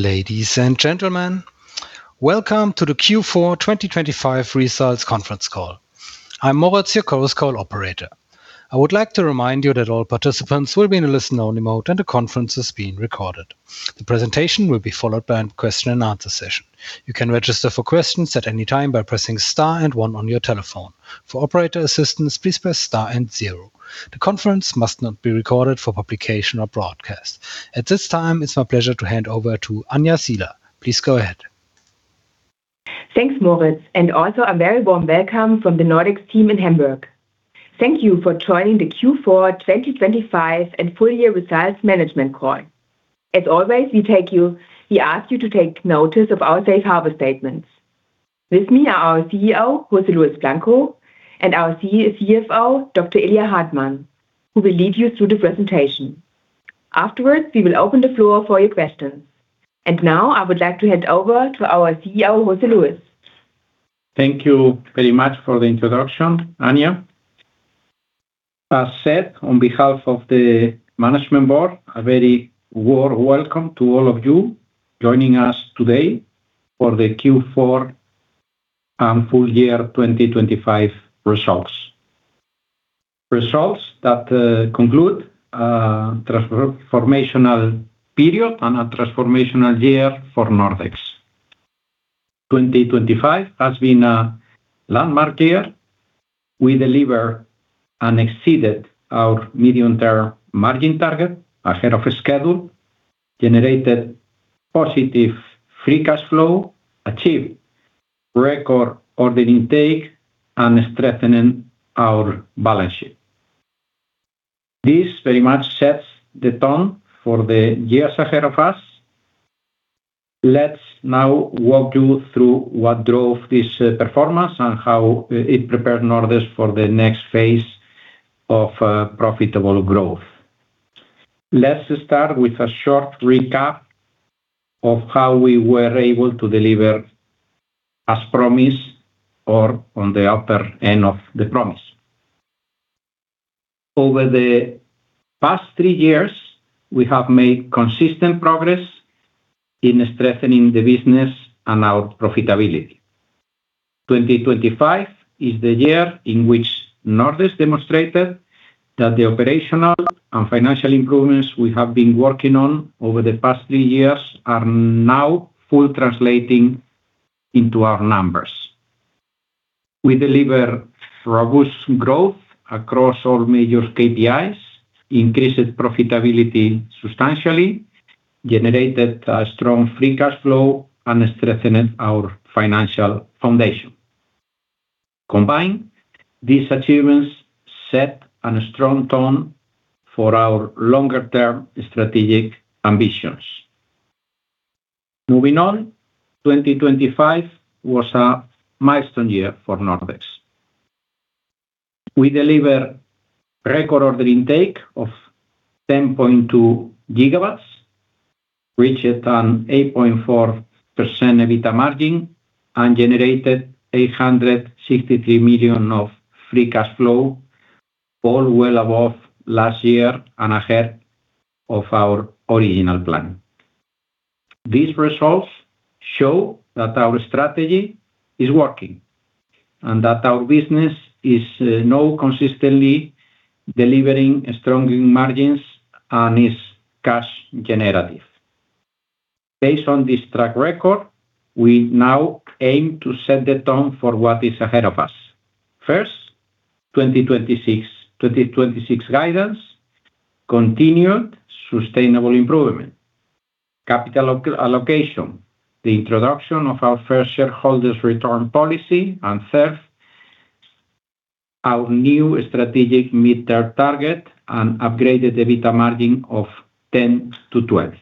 Ladies and gentlemen, welcome to the Q4 2025 Results conference call. I'm Moritz, your conference call operator. I would like to remind you that all participants will be in a listen-only mode, and the conference is being recorded. The presentation will be followed by a question and answer session. You can register for questions at any time by pressing star and one on your telephone. For operator assistance, please press star and zero. The conference must not be recorded for publication or broadcast. At this time, it's my pleasure to hand over to Anja Siehler. Please go ahead. Thanks, Moritz, also a very warm welcome from the Nordex team in Hamburg. Thank you for joining the Q4 2025 and full year results management call. As always, we ask you to take notice of our safe harbor statements. With me are our CEO, José Luis Blanco, and our CFO, Dr. Ilya Hartmann, who will lead you through the presentation. Afterwards, we will open the floor for your questions. Now, I would like to hand over to our CEO, José Luis. Thank you very much for the introduction, Anja. As said, on behalf of the management board, a very warm welcome to all of you joining us today for the Q4, full year 2025 results. Results that conclude a transformational period and a transformational year for Nordex. 2025 has been a landmark year. We deliver and exceeded our medium-term margin target ahead of schedule, generated positive free cash flow, achieved record order intake, and strengthening our balance sheet. This very much sets the tone for the years ahead of us. Let's now walk you through what drove this performance and how it prepared Nordex for the next phase of profitable growth. Let's start with a short recap of how we were able to deliver, as promised, or on the upper end of the promise. Over the past 3 years, we have made consistent progress in strengthening the business and our profitability. 2025 is the year in which Nordex demonstrated that the operational and financial improvements we have been working on over the past 3 years are now full translating into our numbers. We deliver robust growth across all major KPIs, increased profitability substantially, generated a strong free cash flow, and strengthened our financial foundation. Combined, these achievements set an strong tone for our longer-term strategic ambitions. Moving on, 2025 was a milestone year for Nordex. We deliver record order intake of 10.2 GW, reached an 8.4% EBITDA margin, and generated 863 million of free cash flow, all well above last year and ahead of our original plan. These results show that our strategy is working, and that our business is now consistently delivering stronger margins and is cash generative. Based on this track record, we now aim to set the tone for what is ahead of us. First, 2026. 2026 guidance, continued sustainable improvement, capital allocation, the introduction of our first shareholders' return policy, and third, our new strategic mid-term target and upgraded EBITDA margin of 10%-12%.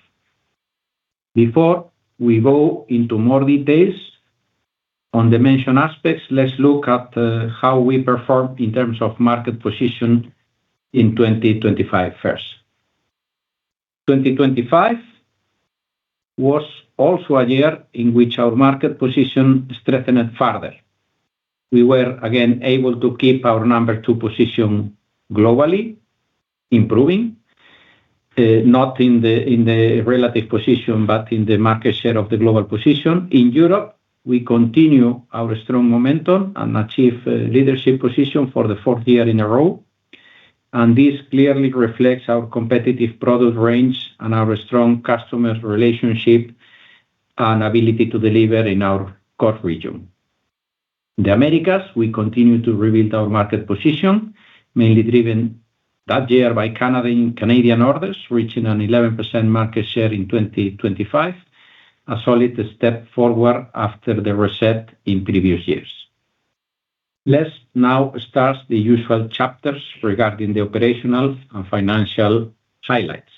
Before we go into more details on the mentioned aspects, let's look at how we performed in terms of market position in 2025 first. 2025 was also a year in which our market position strengthened further. We were again able to keep our number two position globally, improving not in the relative position, but in the market share of the global position. In Europe, we continue our strong momentum and achieve leadership position for the 4th year in a row. This clearly reflects our competitive product range, our strong customer relationship, and ability to deliver in our core region. In the Americas, we continue to rebuild our market position, mainly driven that year by Canadian orders, reaching an 11% market share in 2025, a solid step forward after the reset in previous years. Let's now start the usual chapters regarding the operational and financial highlights.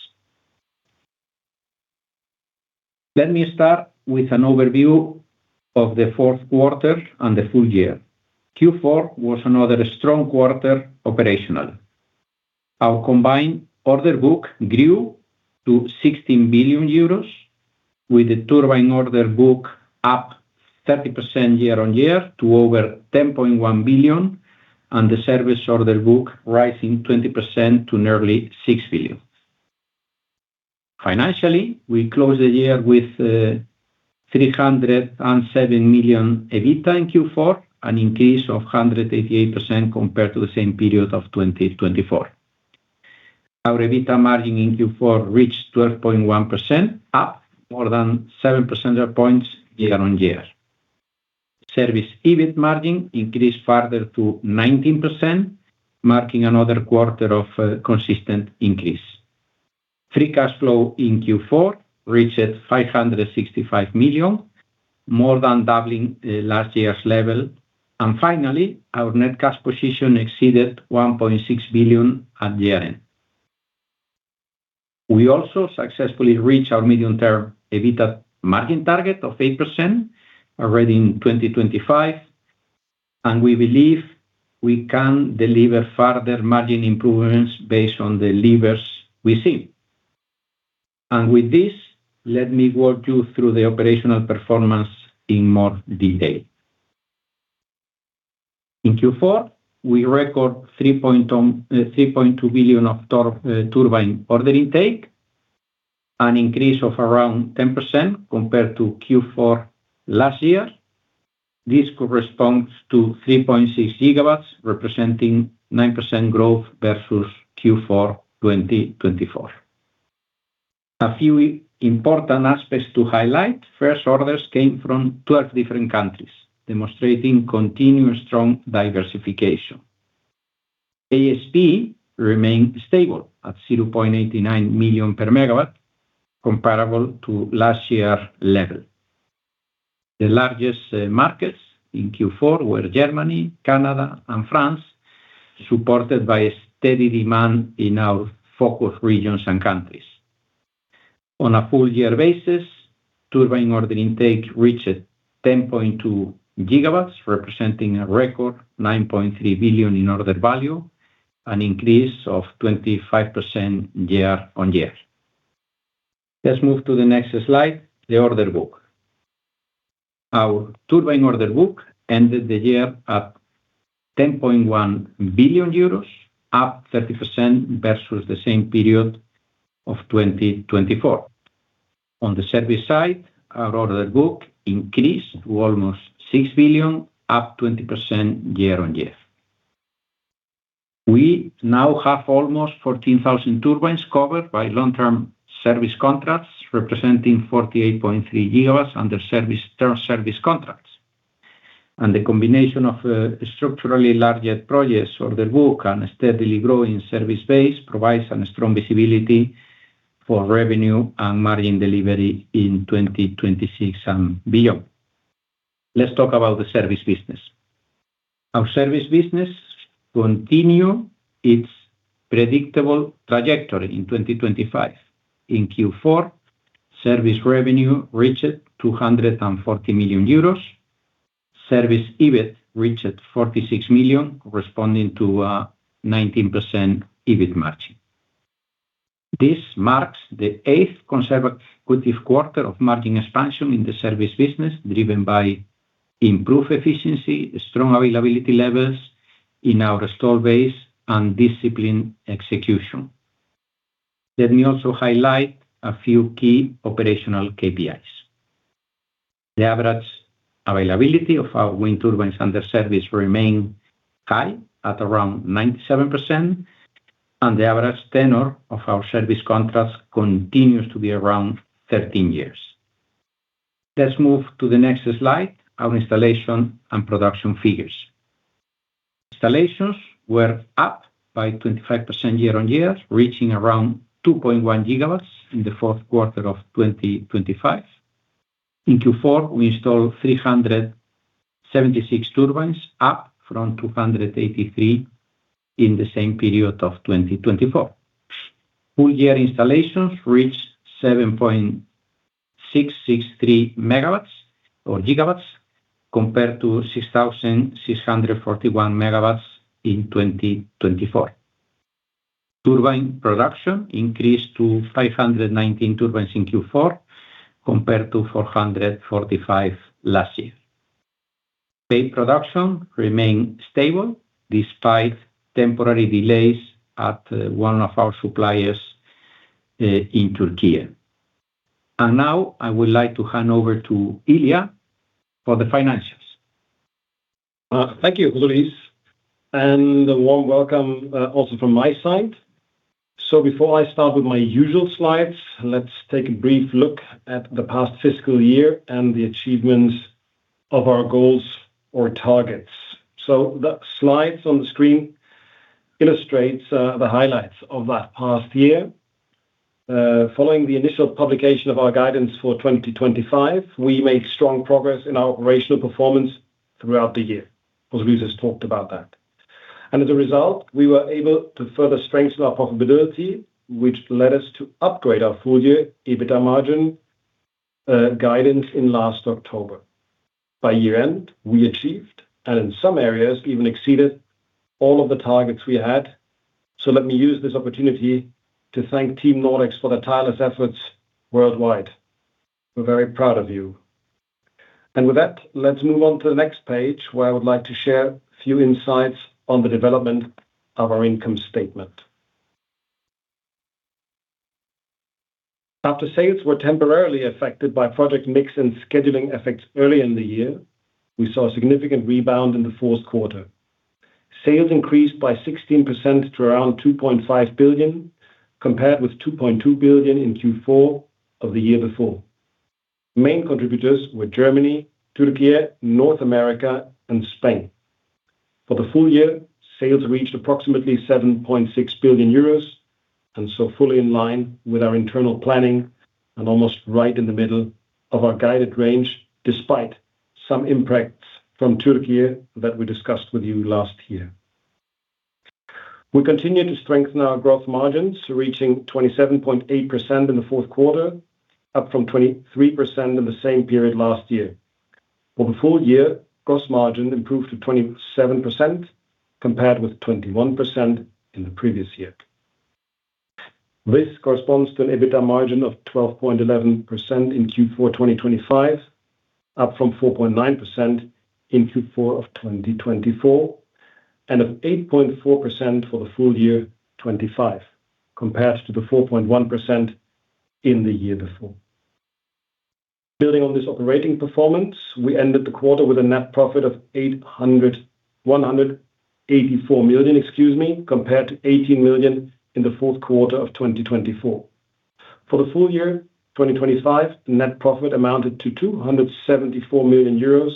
Let me start with an overview of the fourth quarter and the full year. Q4 was another strong quarter operationally. Our combined order book grew to 16 billion euros, with the turbine order book up 30% year-on-year to over 10.1 billion, and the service order book rising 20% to nearly 6 billion. Financially, we closed the year with 307 million EBITDA in Q4, an increase of 188% compared to the same period of 2024. Our EBITDA margin in Q4 reached 12.1%, up more than seven percentage points year-on-year. Service EBIT margin increased further to 19%, marking another quarter of consistent increase. Free cash flow in Q4 reached 565 million, more than doubling last year's level. Our net cash position exceeded 1.6 billion at year-end. We also successfully reached our medium-term EBITDA margin target of 8% already in 2025, and we believe we can deliver further margin improvements based on the levers we see. With this, let me walk you through the operational performance in more detail. In Q4, we record 3.2 billion of turbine order intake, an increase of around 10% compared to Q4 last year. This corresponds to 3.6 GW, representing 9% growth versus Q4 2024. A few important aspects to highlight. First, orders came from 12 different countries, demonstrating continuous strong diversification. ASP remained stable at 0.89 million per MW, comparable to last year level. The largest markets in Q4 were Germany, Canada, and France, supported by a steady demand in our focus regions and countries. On a full year basis, turbine order intake reached 10.2 GW, representing a record 9.3 billion in order value, an increase of 25% year-on-year. Let's move to the next slide, the order book. Our turbine order book ended the year at 10.1 billion euros, up 30% versus the same period of 2024. On the service side, our order book increased to almost 6 billion, up 20% year-on-year. We now have almost 14,000 turbines covered by long-term service contracts, representing 48.3 GW under service, term service contracts. The combination of structurally larger projects order book and a steadily growing service base provides a strong visibility for revenue and margin delivery in 2026 and beyond. Let's talk about the service business. Our service business continue its predictable trajectory in 2025. In Q4, service revenue reached 240 million euros. Service EBIT reached 46 million, corresponding to 19% EBIT margin. This marks the eighth consecutive quarter of margin expansion in the service business, driven by improved efficiency, strong availability levels in our store base, and disciplined execution. Let me also highlight a few key operational KPIs. The average availability of our wind turbines under service remain high, at around 97%, and the average tenure of our service contracts continues to be around 13 years. Let's move to the next slide, our installation and production figures. Installations were up by 25% year-on-year, reaching around 2.1 GW in the fourth quarter of 2025. In Q4, we installed 376 turbines, up from 283 in the same period of 2024. Full year installations reached 7.663 MW or GW, compared to 6,641 MW in 2024. Turbine production increased to 519 turbines in Q4, compared to 445 last year. Payment production remained stable despite temporary delays at one of our suppliers in Türkiye. Now I would like to hand over to Ilya for the financials. Thank you, José, and a warm welcome, also from my side. Before I start with my usual slides, let's take a brief look at the past fiscal year and the achievements of our goals or targets. The slides on the screen illustrates the highlights of that past year. Following the initial publication of our guidance for 2025, we made strong progress in our operational performance throughout the year. José Luis talked about that. As a result, we were able to further strengthen our profitability, which led us to upgrade our full year EBITDA margin guidance in last October. By year-end, we achieved, and in some areas, even exceeded all of the targets we had. Let me use this opportunity to thank Team Nordex for their tireless efforts worldwide. We're very proud of you. With that, let's move on to the next page, where I would like to share a few insights on the development of our income statement. After sales were temporarily affected by product mix and scheduling effects early in the year, we saw a significant rebound in the fourth quarter. Sales increased by 16% to around 2.5 billion, compared with 2.2 billion in Q4 of the year before. Main contributors were Germany, Türkiye, North America and Spain. For the full year, sales reached approximately 7.6 billion euros, fully in line with our internal planning and almost right in the middle of our guided range, despite some impacts from Türkiye that we discussed with you last year. We continued to strengthen our growth margins, reaching 27.8% in the fourth quarter, up from 23% in the same period last year. For the full year, gross margin improved to 27%, compared with 21% in the previous year. This corresponds to an EBITDA margin of 12.11% in Q4 2025, up from 4.9% in Q4 of 2024, and of 8.4% for the full year 2025, compared to the 4.1% in the year before. Building on this operating performance, we ended the quarter with a net profit of 184 million, excuse me, compared to 18 million in the fourth quarter of 2024. For the full year, 2025, net profit amounted to 274 million euros,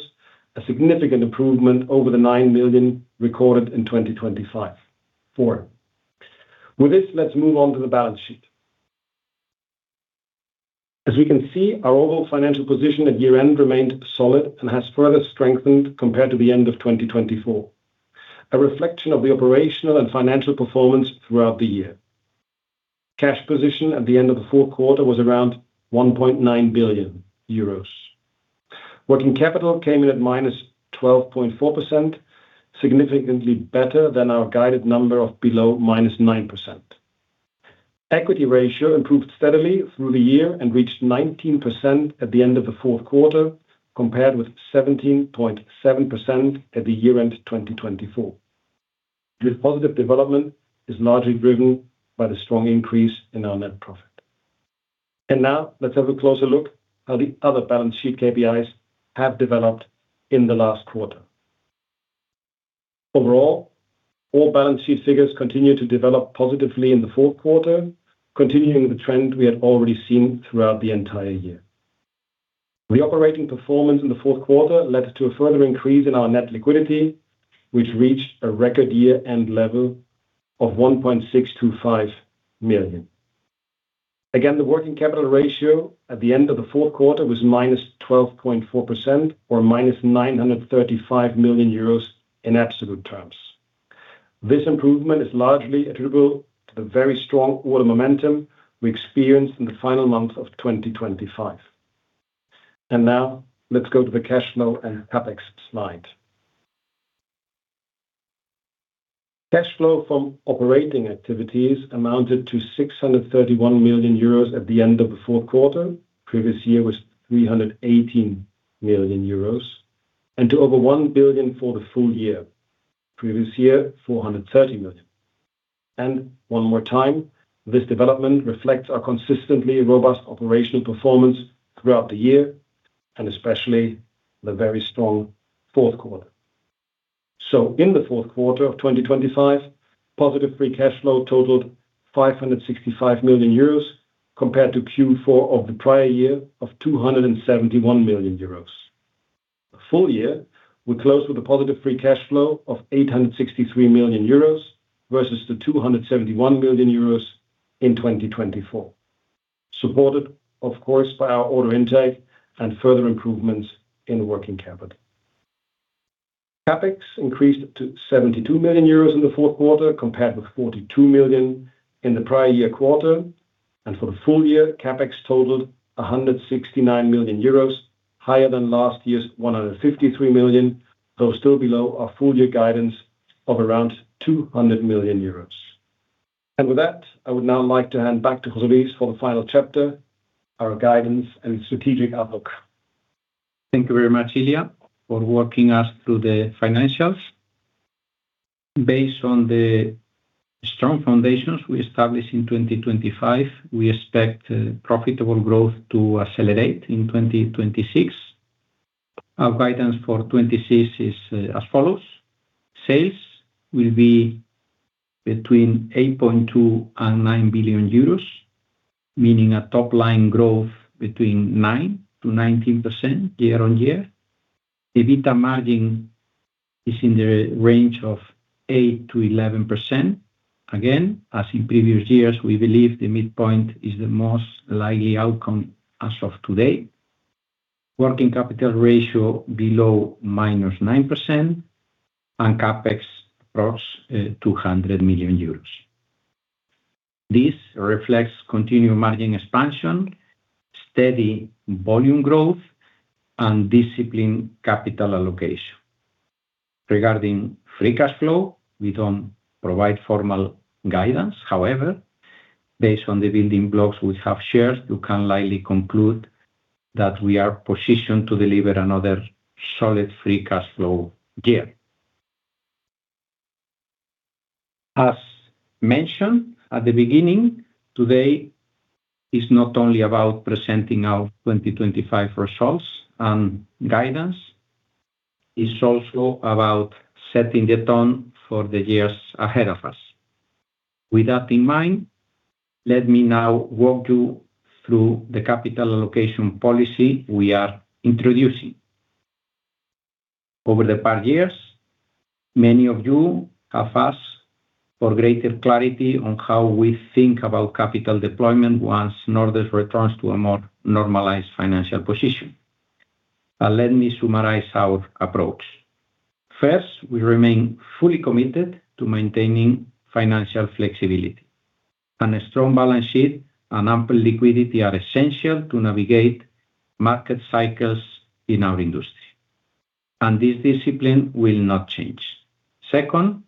a significant improvement over the 9 million recorded in 2025, four. With this, let's move on to the balance sheet. As we can see, our overall financial position at year-end remained solid and has further strengthened compared to the end of 2024, a reflection of the operational and financial performance throughout the year. Cash position at the end of the fourth quarter was around 1.9 billion euros. Working capital came in at -12.4%, significantly better than our guided number of below -9%. Equity ratio improved steadily through the year and reached 19% at the end of the fourth quarter, compared with 17.7% at the year-end 2024. This positive development is largely driven by the strong increase in our net profit. Now, let's have a closer look how the other balance sheet KPIs have developed in the last quarter. Overall, all balance sheet figures continued to develop positively in the fourth quarter, continuing the trend we had already seen throughout the entire year. The operating performance in the fourth quarter led to a further increase in our net liquidity, which reached a record year-end level of 1.625 million. Again, the working capital ratio at the end of the fourth quarter was -12.4% or -935 million euros in absolute terms. This improvement is largely attributable to the very strong order momentum we experienced in the final month of 2025. Now let's go to the cash flow and CapEx slide. Cash flow from operating activities amounted to 631 million euros at the end of the fourth quarter. Previous year was 318 million euros, and to over 1 billion for the full year. Previous year, 430 million. One more time, this development reflects our consistently robust operational performance throughout the year, and especially the very strong fourth quarter. In the fourth quarter of 2025, positive free cash flow totaled 565 million euros, compared to Q4 of the prior year of 271 million euros. The full year, we closed with a positive free cash flow of 863 million euros versus the 271 million euros in 2024, supported, of course, by our order intake and further improvements in working capital. CapEx increased to 72 million euros in the fourth quarter, compared with 42 million in the prior year quarter. For the full year, CapEx totaled 169 million euros, higher than last year's 153 million, though still below our full year guidance of around 200 million euros. With that, I would now like to hand back to José for the final chapter, our guidance and strategic outlook. Thank you very much, Ilya, for walking us through the financials. Based on the strong foundations we established in 2025, we expect profitable growth to accelerate in 2026. Our guidance for 2026 is as follows: Sales will be between 8.2 billion and 9 billion euros, meaning a top-line growth between 9%-19% year-on-year. EBITDA margin is in the range of 8%-11%. Again, as in previous years, we believe the midpoint is the most likely outcome as of today. Working capital ratio below -9% and CapEx approx 200 million euros. This reflects continued margin expansion, steady volume growth, and disciplined capital allocation. Regarding free cash flow, we don't provide formal guidance. However, based on the building blocks we have shared, you can likely conclude that we are positioned to deliver another solid free cash flow year. As mentioned at the beginning, today is not only about presenting our 2025 results and guidance, it's also about setting the tone for the years ahead of us. With that in mind, let me now walk you through the capital allocation policy we are introducing. Over the past years, many of you have asked for greater clarity on how we think about capital deployment once Nordex returns to a more normalized financial position. Now, let me summarize our approach. First, we remain fully committed to maintaining financial flexibility. A strong balance sheet and ample liquidity are essential to navigate market cycles in our industry, and this discipline will not change. Second,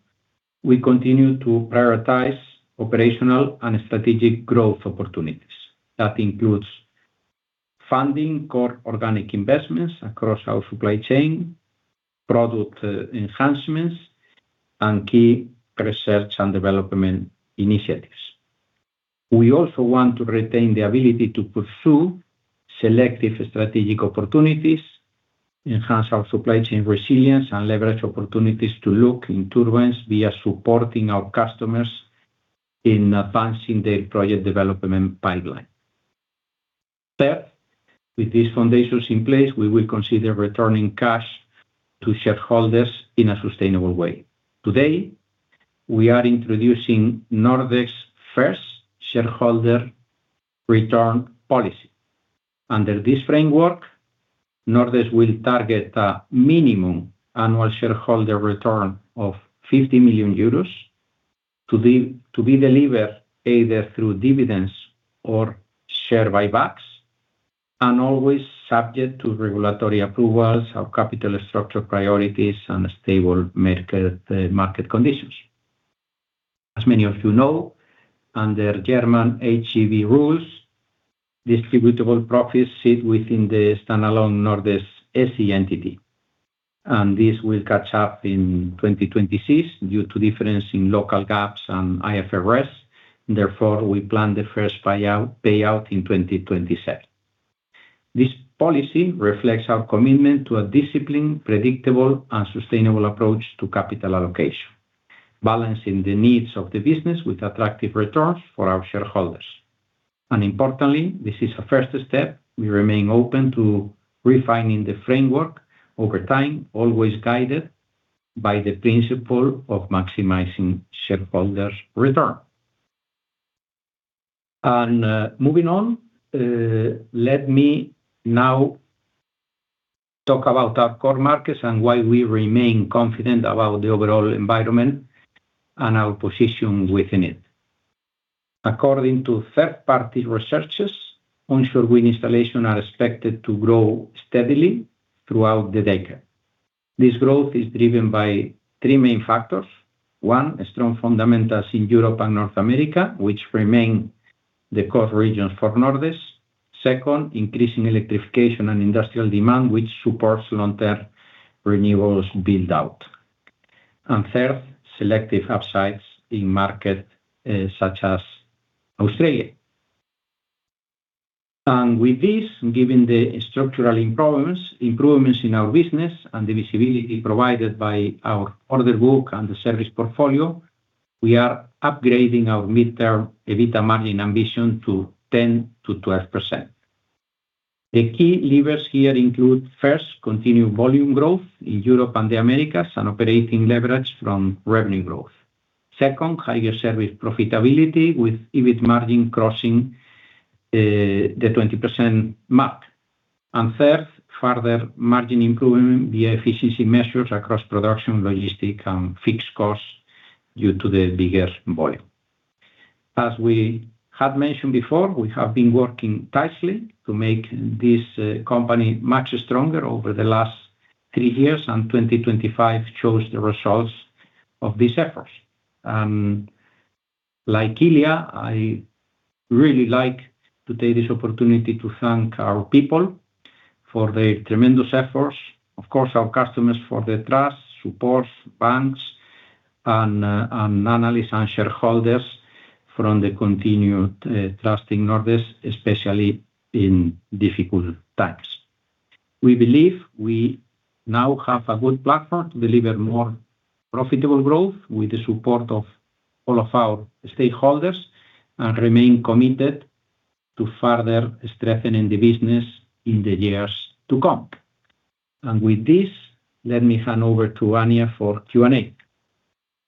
we continue to prioritize operational and strategic growth opportunities. Includes funding core organic investments across our supply chain, product enhancements, and key research and development initiatives. We also want to retain the ability to pursue selective strategic opportunities, enhance our supply chain resilience, and leverage opportunities to look in turbulence via supporting our customers in advancing their project development pipeline. Third, with these foundations in place, we will consider returning cash to shareholders in a sustainable way. Today, we are introducing Nordex's first shareholder return policy. Under this framework, Nordex will target a minimum annual shareholder return of 50 million euros to be delivered either through dividends or share buybacks, and always subject to regulatory approvals, our capital structure priorities, and stable market conditions. As many of you know, under German HGB rules, distributable profits sit within the standalone Nordex SE entity, and this will catch up in 2026 due to difference in local GAAP and IFRS. Therefore, we plan the first payout in 2027. This policy reflects our commitment to a disciplined, predictable, and sustainable approach to capital allocation, balancing the needs of the business with attractive returns for our shareholders. Importantly, this is a first step. We remain open to refining the framework over time, always guided by the principle of maximizing shareholders' return. Moving on, let me now talk about our core markets and why we remain confident about the overall environment and our position within it. According to third-party researchers, onshore wind installations are expected to grow steadily throughout the decade. This growth is driven by 3 main factors: One, strong fundamentals in Europe and North America, which remain the core regions for Nordex. Second, increasing electrification and industrial demand, which supports long-term renewables build-out. Third, selective upsides in markets such as Australia. With this, given the structural improvements in our business and the visibility provided by our order book and the service portfolio, we are upgrading our midterm EBITDA margin ambition to 10%-12%. The key levers here include, first, continued volume growth in Europe and the Americas, and operating leverage from revenue growth. Second, higher service profitability with EBIT margin crossing the 20% mark. Third, further margin improvement via efficiency measures across production, logistics, and fixed costs due to the bigger volume. As we had mentioned before, we have been working tightly to make this company much stronger over the last 3 years, and 2025 shows the results of these efforts. Like Ilya, I really like to take this opportunity to thank our people for their tremendous efforts, of course, our customers for the trust, support, banks, and analysts and shareholders for the continued trusting Nordex, especially in difficult times. We believe we now have a good platform to deliver more profitable growth with the support of all of our stakeholders, and remain committed to further strengthening the business in the years to come. With this, let me hand over to Anja for Q&A.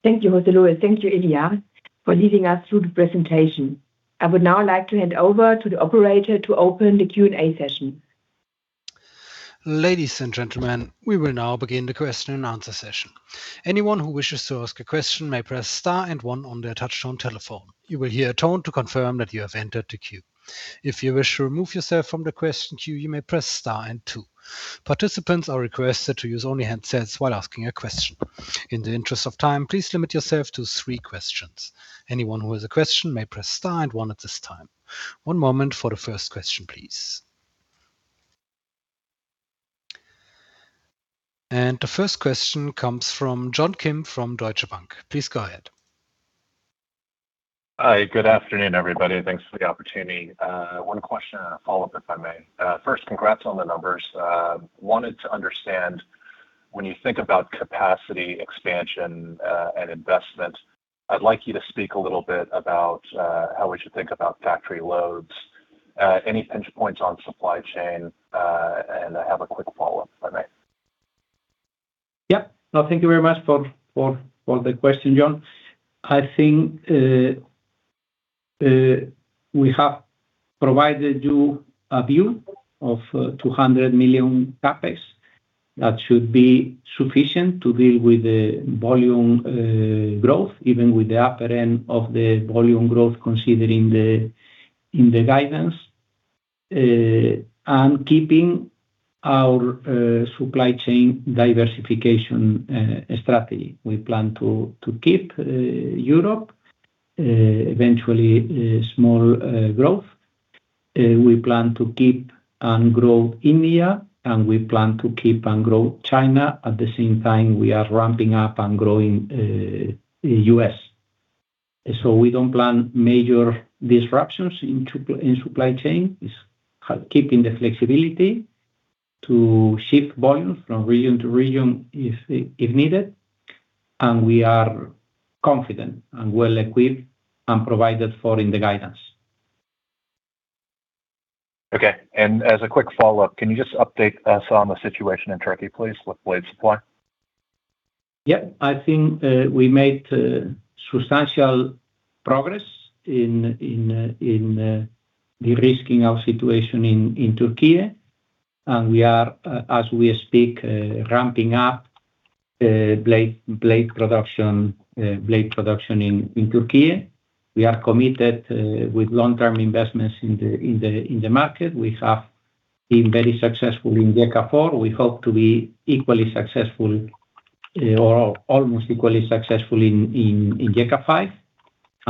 Thank you, José Luis. Thank you, Ilya, for leading us through the presentation. I would now like to hand over to the operator to open the Q&A session. Ladies and gentlemen, we will now begin the question and answer session. Anyone who wishes to ask a question may press star and one on their touchtone telephone. You will hear a tone to confirm that you have entered the queue. If you wish to remove yourself from the question queue, you may press star and two. Participants are requested to use only handsets while asking a question. In the interest of time, please limit yourself to three questions. Anyone who has a question may press star and one at this time. One moment for the first question, please. The first question comes from John Kim from Deutsche Bank. Please go ahead. Hi, good afternoon, everybody. Thanks for the opportunity. One question and a follow-up, if I may. First, congrats on the numbers. Wanted to understand, when you think about capacity, expansion, and investment, I'd like you to speak a little bit about how we should think about factory loads, any pinch points on supply chain. I have a quick follow-up if I may. Yep. No, thank you very much for the question, John. I think we have provided you a view of 200 million CapEx. That should be sufficient to deal with the volume growth, even with the upper end of the volume growth, considering the guidance and keeping our supply chain diversification strategy. We plan to keep Europe eventually a small growth. We plan to keep and grow India, and we plan to keep and grow China. At the same time, we are ramping up and growing U.S. We don't plan major disruptions in supply chain. It's kind of keeping the flexibility to shift volume from region to region if needed, and we are confident and well-equipped and provided for in the guidance. Okay, as a quick follow-up, can you just update us on the situation in Turkey, please, with blade supply? Yep. I think we made substantial progress in de-risking our situation in Türkiye, as we speak, ramping up blade production in Türkiye. We are committed with long-term investments in the market. We have been very successful in EEG auction. We hope to be equally successful or almost equally successful in GECA 5,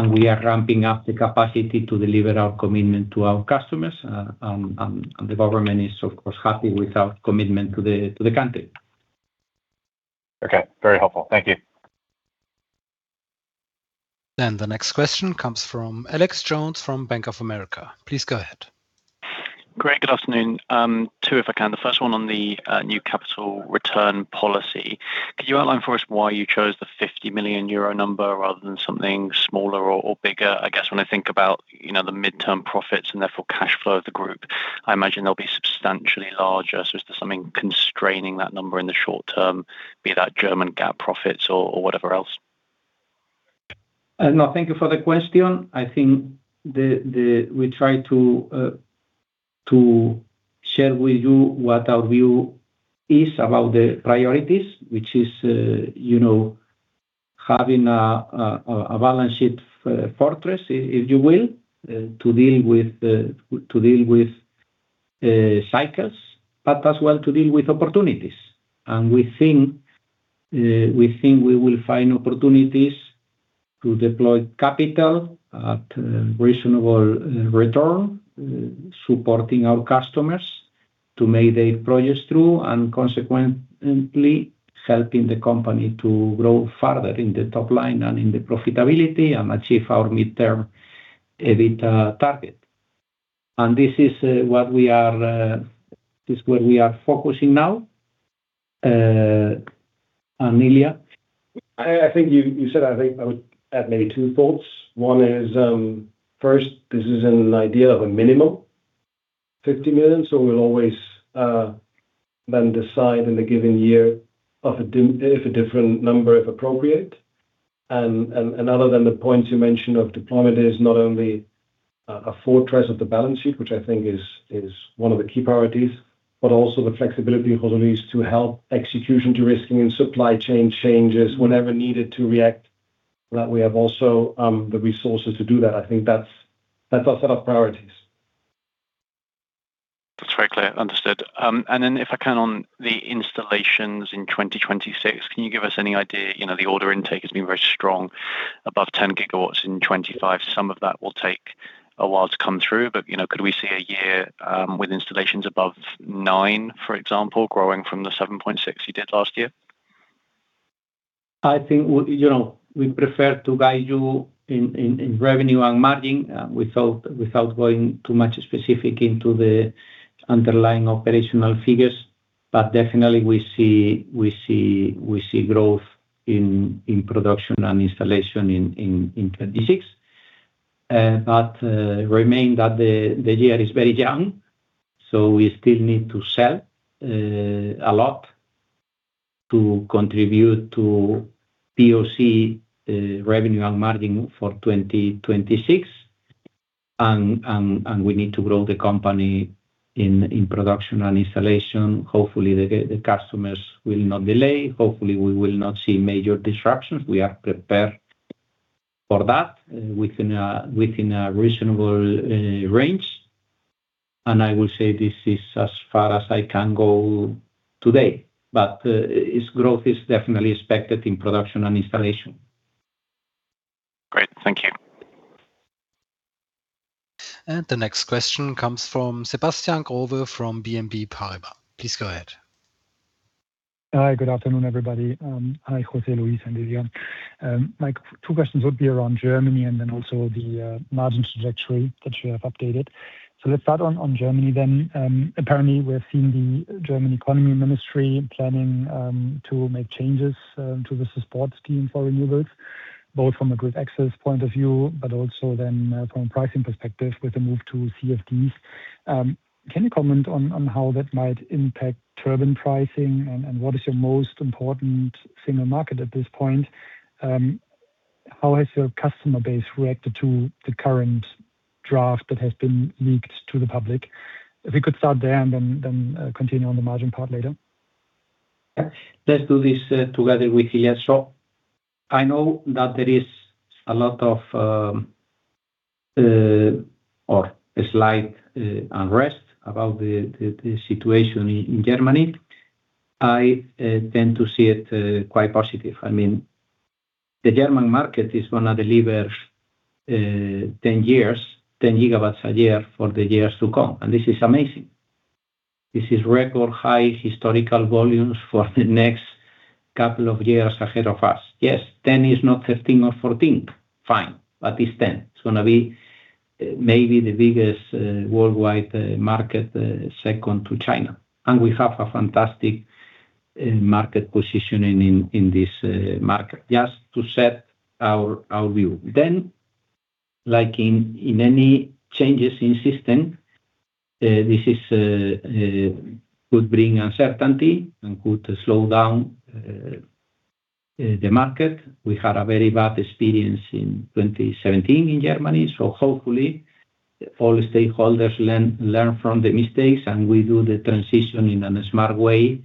we are ramping up the capacity to deliver our commitment to our customers. The government is, of course, happy with our commitment to the country. Okay. Very helpful. Thank you. The next question comes from Alex Jones from Bank of America. Please go ahead. Great. Good afternoon. Two, if I can. The first one on the new capital return policy. Could you outline for us why you chose the 50 million euro number rather than something smaller or bigger? I guess when I think about, you know, the midterm profits and therefore cash flow of the group, I imagine they'll be substantially larger. Is there something constraining that number in the short term, be that German GAAP profits or whatever else? No, thank you for the question. I think we try to share with you what our view is about the priorities, which is, you know, having a balance sheet fortress, if you will, to deal with cycles, but as well to deal with opportunities. We think we will find opportunities to deploy capital at a reasonable return, supporting our customers to make their projects through, and consequently, helping the company to grow further in the top line and in the profitability and achieve our midterm EBITDA target. This is what we are focusing now, and Ilya? I think you said, I think I would add maybe two thoughts. One is, first, this is an idea of a minimum 50 million, so we'll always then decide in a given year if a different number, if appropriate. Other than the points you mentioned of deployment, is not only a fortress of the balance sheet, which I think is one of the key priorities, but also the flexibility, José, to help execution, de-risking, and supply chain changes whenever needed to react, that we have also the resources to do that. I think that's our set of priorities. That's very clear. Understood. If I can, on the installations in 2026, can you give us any idea? You know, the order intake has been very strong, above 10 GW in 25. Some of that will take a while to come through, but, you know, could we see a year, with installations above 9, for example, growing from the 7.6 you did last year? I think we, you know, we prefer to guide you in revenue and margin, without going too much specific into the underlying operational figures. Definitely, we see growth in production and installation in 2026. Remain that the year is very young, so we still need to sell a lot. to contribute to POC revenue and margin for 2026, and we need to grow the company in production and installation. Hopefully, the customers will not delay. Hopefully, we will not see major disruptions. We are prepared for that within a reasonable range, and I will say this is as far as I can go today, but its growth is definitely expected in production and installation. Great. Thank you. The next question comes from Sebastian Growe from BNP Paribas. Please go ahead. Hi, good afternoon, everybody. Hi, José Luis and Ilya. My two questions would be around Germany and then also the margin trajectory that you have updated. Let's start on Germany. Apparently, we're seeing the German Economy Ministry planning to make changes to the support scheme for renewables, both from a grid access point of view, but also then from a pricing perspective, with the move to CfDs. Can you comment on how that might impact turbine pricing? What is your most important single market at this point? How has your customer base reacted to the current draft that has been leaked to the public? If you could start there, then continue on the margin part later. Yeah, let's do this together with here. I know that there is a lot of, or a slight, unrest about the situation in Germany. I tend to see it quite positive. I mean, the German market is gonna deliver 10 years, 10 GW a year for the years to come, and this is amazing. This is record high historical volumes for the next couple of years ahead of us. Yes, 10 is not 15 or 14. Fine, but it's 10. It's gonna be maybe the biggest worldwide market, second to China, and we have a fantastic market positioning in this market, just to set our view. Like in any changes in system, this could bring uncertainty and could slow down the market. We had a very bad experience in 2017 in Germany, so hopefully, all stakeholders learn from the mistakes, and we do the transition in a smart way,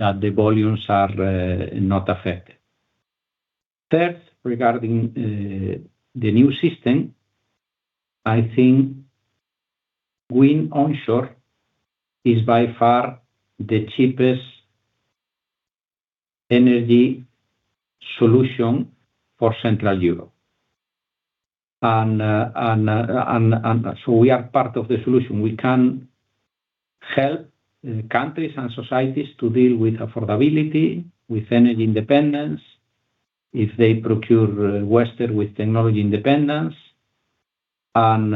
that the volumes are not affected. Third, regarding the new system, I think wind onshore is by far the cheapest energy solution for Central Europe. So we are part of the solution. We can help countries and societies to deal with affordability, with energy independence, if they procure Western with technology independence, and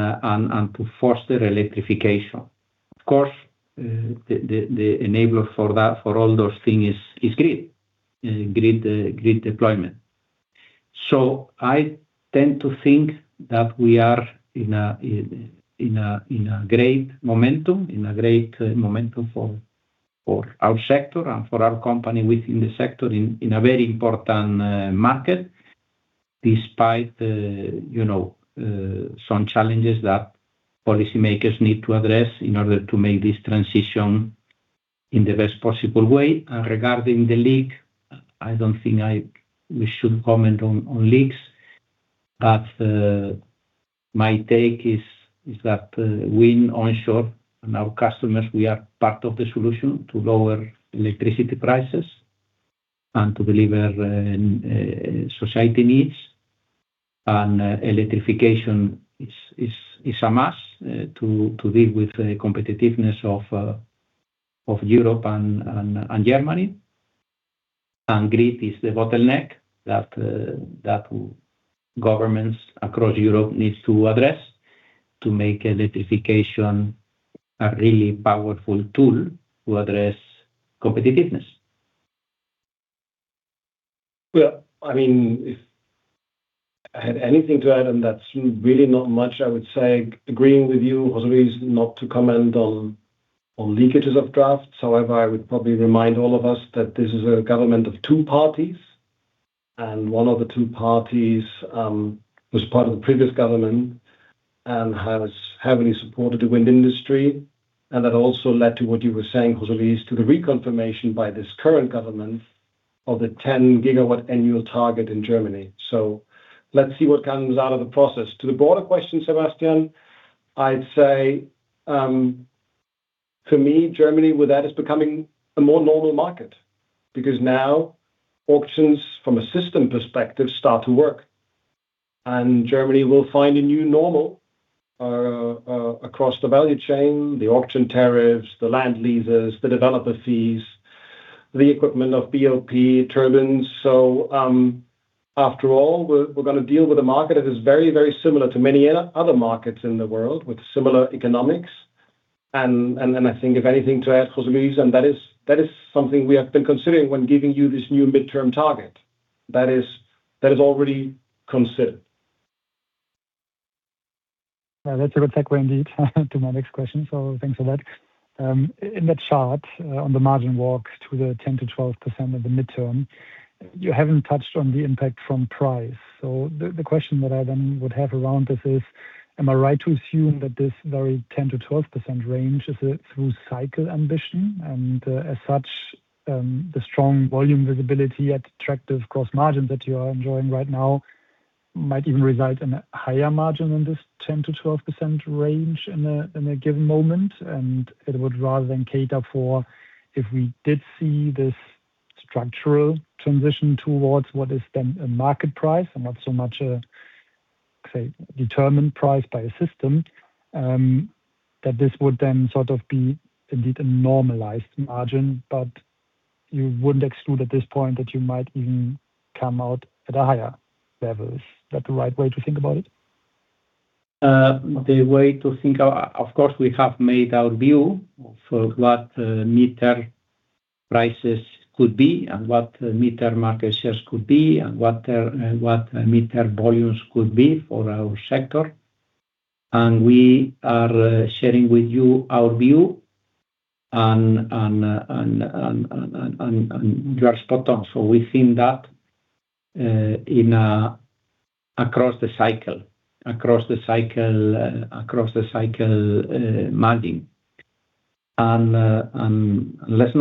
to foster electrification. Of course, the enabler for that, for all those things is grid, grid deployment. I tend to think that we are in a, in a, in a great momentum, in a great momentum for our sector and for our company within the sector, in a very important market, despite, you know, some challenges that policymakers need to address in order to make this transition in the best possible way. Regarding the leak, I don't think we should comment on leaks, but my take is that wind onshore and our customers, we are part of the solution to lower electricity prices and to deliver society needs. Electrification is, is a must to deal with the competitiveness of Europe and, and Germany. Grid is the bottleneck that governments across Europe needs to address to make electrification a really powerful tool to address competitiveness. Well, I mean, if I had anything to add, and that's really not much, I would say, agreeing with you, José, is not to comment on leakages of drafts. However, I would probably remind all of us that this is a government of two parties, and one of the two parties was part of the previous government and has heavily supported the wind industry, and that also led to what you were saying, José, is to the reconfirmation by this current government of the 10-gigawatt annual target in Germany. Let's see what comes out of the process. To the broader question, Sebastian, I'd say, to me, Germany with that is becoming a more normal market because now auctions from a system perspective start to work, and Germany will find a new normal across the value chain, the auction tariffs, the land leases, the developer fees, the equipment of BOP turbines. After all, we're gonna deal with a market that is very, very similar to many other markets in the world, with similar economics. Then I think if anything to add, José Luis, and that is something we have been considering when giving you this new midterm target. That is already considered. That's a good segue indeed to my next question. Thanks for that. In the chart, on the margin walk to the 10%-12% of the midterm, you haven't touched on the impact from price. The question that I then would have around this is, am I right to assume that this very 10%-12% range is a through cycle ambition, and, as such, the strong volume visibility at attractive cost margin that you are enjoying right now might even result in a higher margin than this 10%-12% range in a, in a given moment? It would rather than cater for if we did see this structural transition towards what is then a market price and not so much a, say, determined price by a system, that this would then sort of be indeed a normalized margin. You wouldn't exclude at this point that you might even come out at a higher level. Is that the right way to think about it? The way to think of course, we have made our view for what mid-term prices could be and what mid-term market shares could be, and what mid-term volumes could be for our sector. We are sharing with you our view on. You are spot on. We've seen that in across the cycle margin. Let's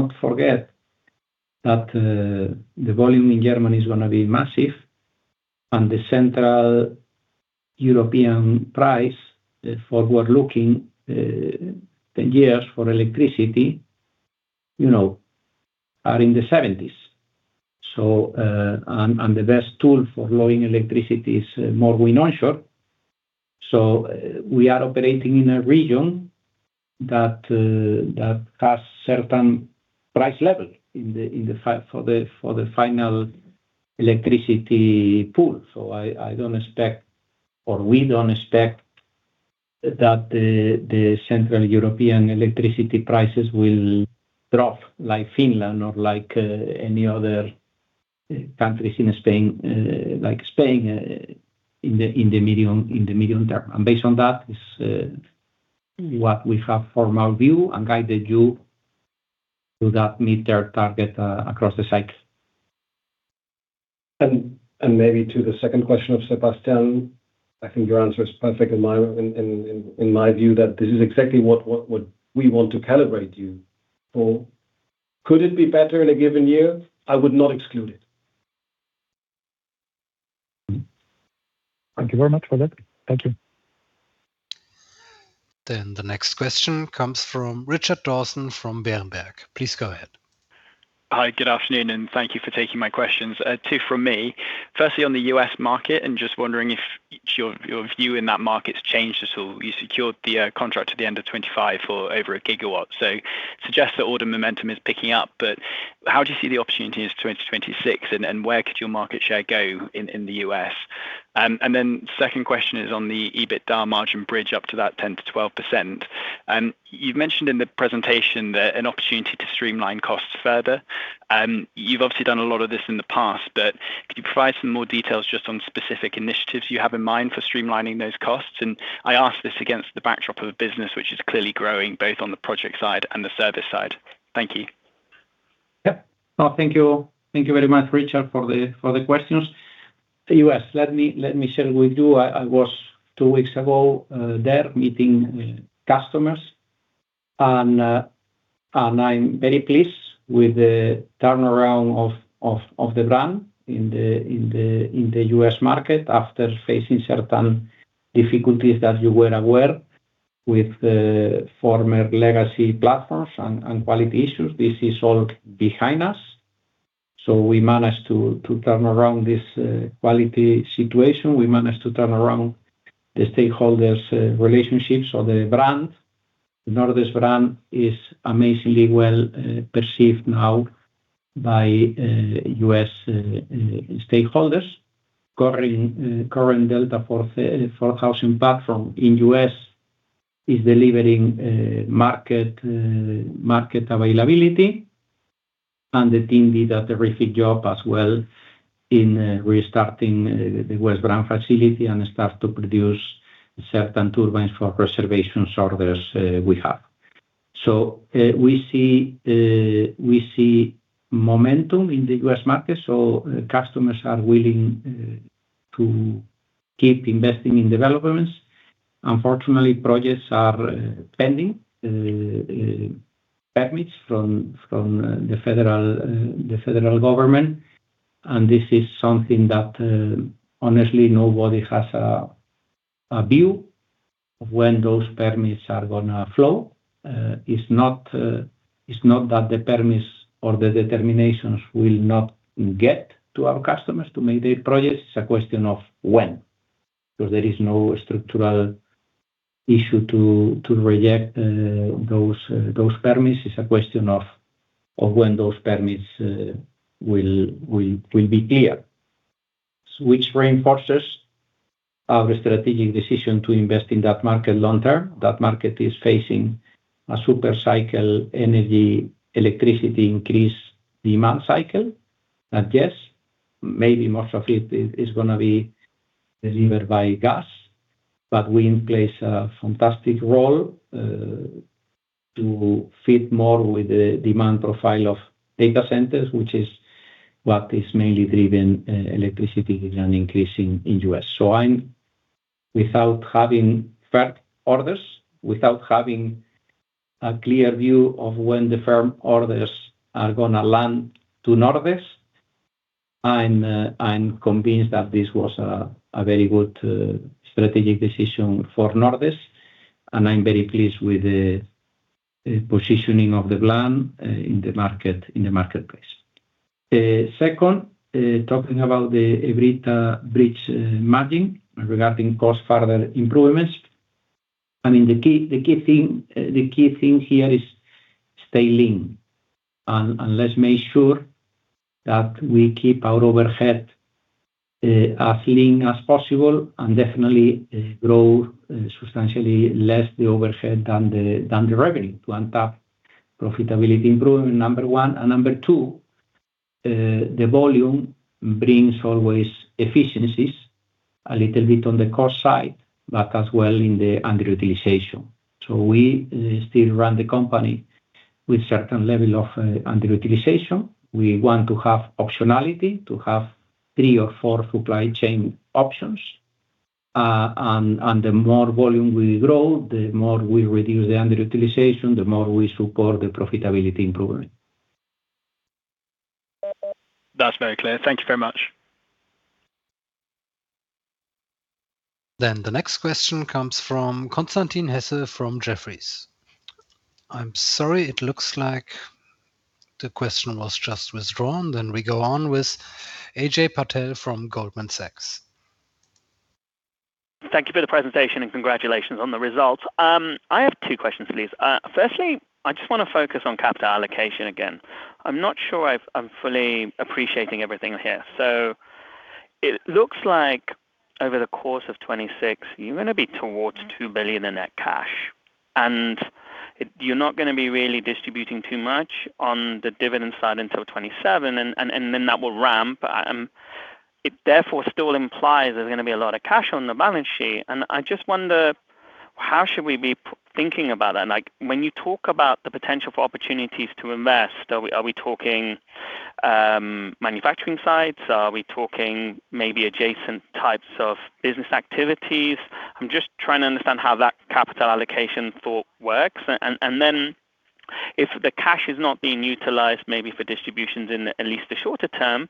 not forget that the volume in Germany is gonna be massive, and the Central European price for forward-looking 10 years for electricity, you know, are in the 70s. The best tool for lowering electricity is more onshore. We are operating in a region that that has certain price level in the for the for the final electricity pool. I don't expect or we don't expect that the the Central European electricity prices will drop like Finland or like any other countries in Spain, like Spain, in the medium term. Based on that, is what we have for our view and guided you to that mid-term target across the cycle. Maybe to the second question of Sebastian, I think your answer is perfect in my view, that this is exactly what we want to calibrate you for. Could it be better in a given year? I would not exclude it. Thank you very much for that. Thank you. The next question comes from Richard Dawson, from Berenberg. Please go ahead. Hi, good afternoon, and thank you for taking my questions, two from me. Firstly, on the U.S. market, I'm just wondering if your view in that market's changed at all. You secured the contract at the end of 25 for over a gigawatt, so suggests that order momentum is picking up, but how do you see the opportunity in 2026, and where could your market share go in the U.S.? Then second question is on the EBITDA margin bridge up to that 10%-12%. You've mentioned in the presentation that an opportunity to streamline costs further, you've obviously done a lot of this in the past, but could you provide some more details just on specific initiatives you have in mind for streamlining those costs? I ask this against the backdrop of a business which is clearly growing, both on the project side and the service side. Thank you. Yep. No, thank you. Thank you very much, Richard, for the questions. The U.S., let me share with you. I was two weeks ago there meeting customers, and I'm very pleased with the turnaround of the brand in the U.S. market, after facing certain difficulties that you were aware with the former legacy platforms and quality issues, this is all behind us. We managed to turn around this quality situation. We managed to turn around the stakeholders relationships or the brand. Nordex brand is amazingly well perceived now by U.S. stakeholders. Current Delta4000 platform in U.S. is delivering market availability, and the team did a terrific job as well in restarting the West Branch facility and start to produce certain turbines for preservation orders we have. We see momentum in the U.S. market, so customers are willing to keep investing in developments. Unfortunately, projects are pending permits from the Federal Government, and this is something that honestly, nobody has a view of when those permits are gonna flow. It's not that the permits or the determinations will not get to our customers to make their projects, it's a question of when. There is no structural issue to reject those permits, it's a question of when those permits will be clear. Which reinforces our strategic decision to invest in that market long term. That market is facing a super cycle, energy, electricity increase, demand cycle. I guess maybe most of it is gonna be delivered by gas, but wind plays a fantastic role to fit more with the demand profile of data centers, which is what is mainly driven electricity and increasing in U.S. I'm without having firm orders, without having a clear view of when the firm orders are gonna land to Nordex, I'm convinced that this was a very good strategic decision for Nordex, and I'm very pleased with the positioning of the plan in the marketplace. Second, talking about the EBITDA bridge, margin regarding cost further improvements. I mean, the key thing here is stay lean and let's make sure that we keep our overhead as lean as possible and definitely grow substantially less the overhead than the revenue to unpack profitability improvement, number one. Number two, the volume brings always efficiencies a little bit on the cost side, but as well in the underutilization. We still run the company with certain level of underutilization. We want to have optionality, to have three or four supply chain options, and the more volume we grow, the more we reduce the underutilization, the more we support the profitability improvement. That's very clear. Thank you very much. The next question comes from Constantin Hesse from Jefferies. I'm sorry, it looks like the question was just withdrawn. We go on with Ajay Patel from Goldman Sachs. Thank you for the presentation. Congratulations on the results. I have two questions for these. Firstly, I just wanna focus on capital allocation again. I'm not sure I'm fully appreciating everything here. It looks like over the course of 2026, you're gonna be towards 2 billion in net cash. You're not gonna be really distributing too much on the dividend side until 2027. Then that will ramp. It therefore still implies there's gonna be a lot of cash on the balance sheet. I just wonder, how should we be thinking about that? Like, when you talk about the potential for opportunities to invest, are we, are we talking, manufacturing sites? Are we talking maybe adjacent types of business activities? I'm just trying to understand how that capital allocation thought works. Then if the cash is not being utilized, maybe for distributions in at least the shorter term,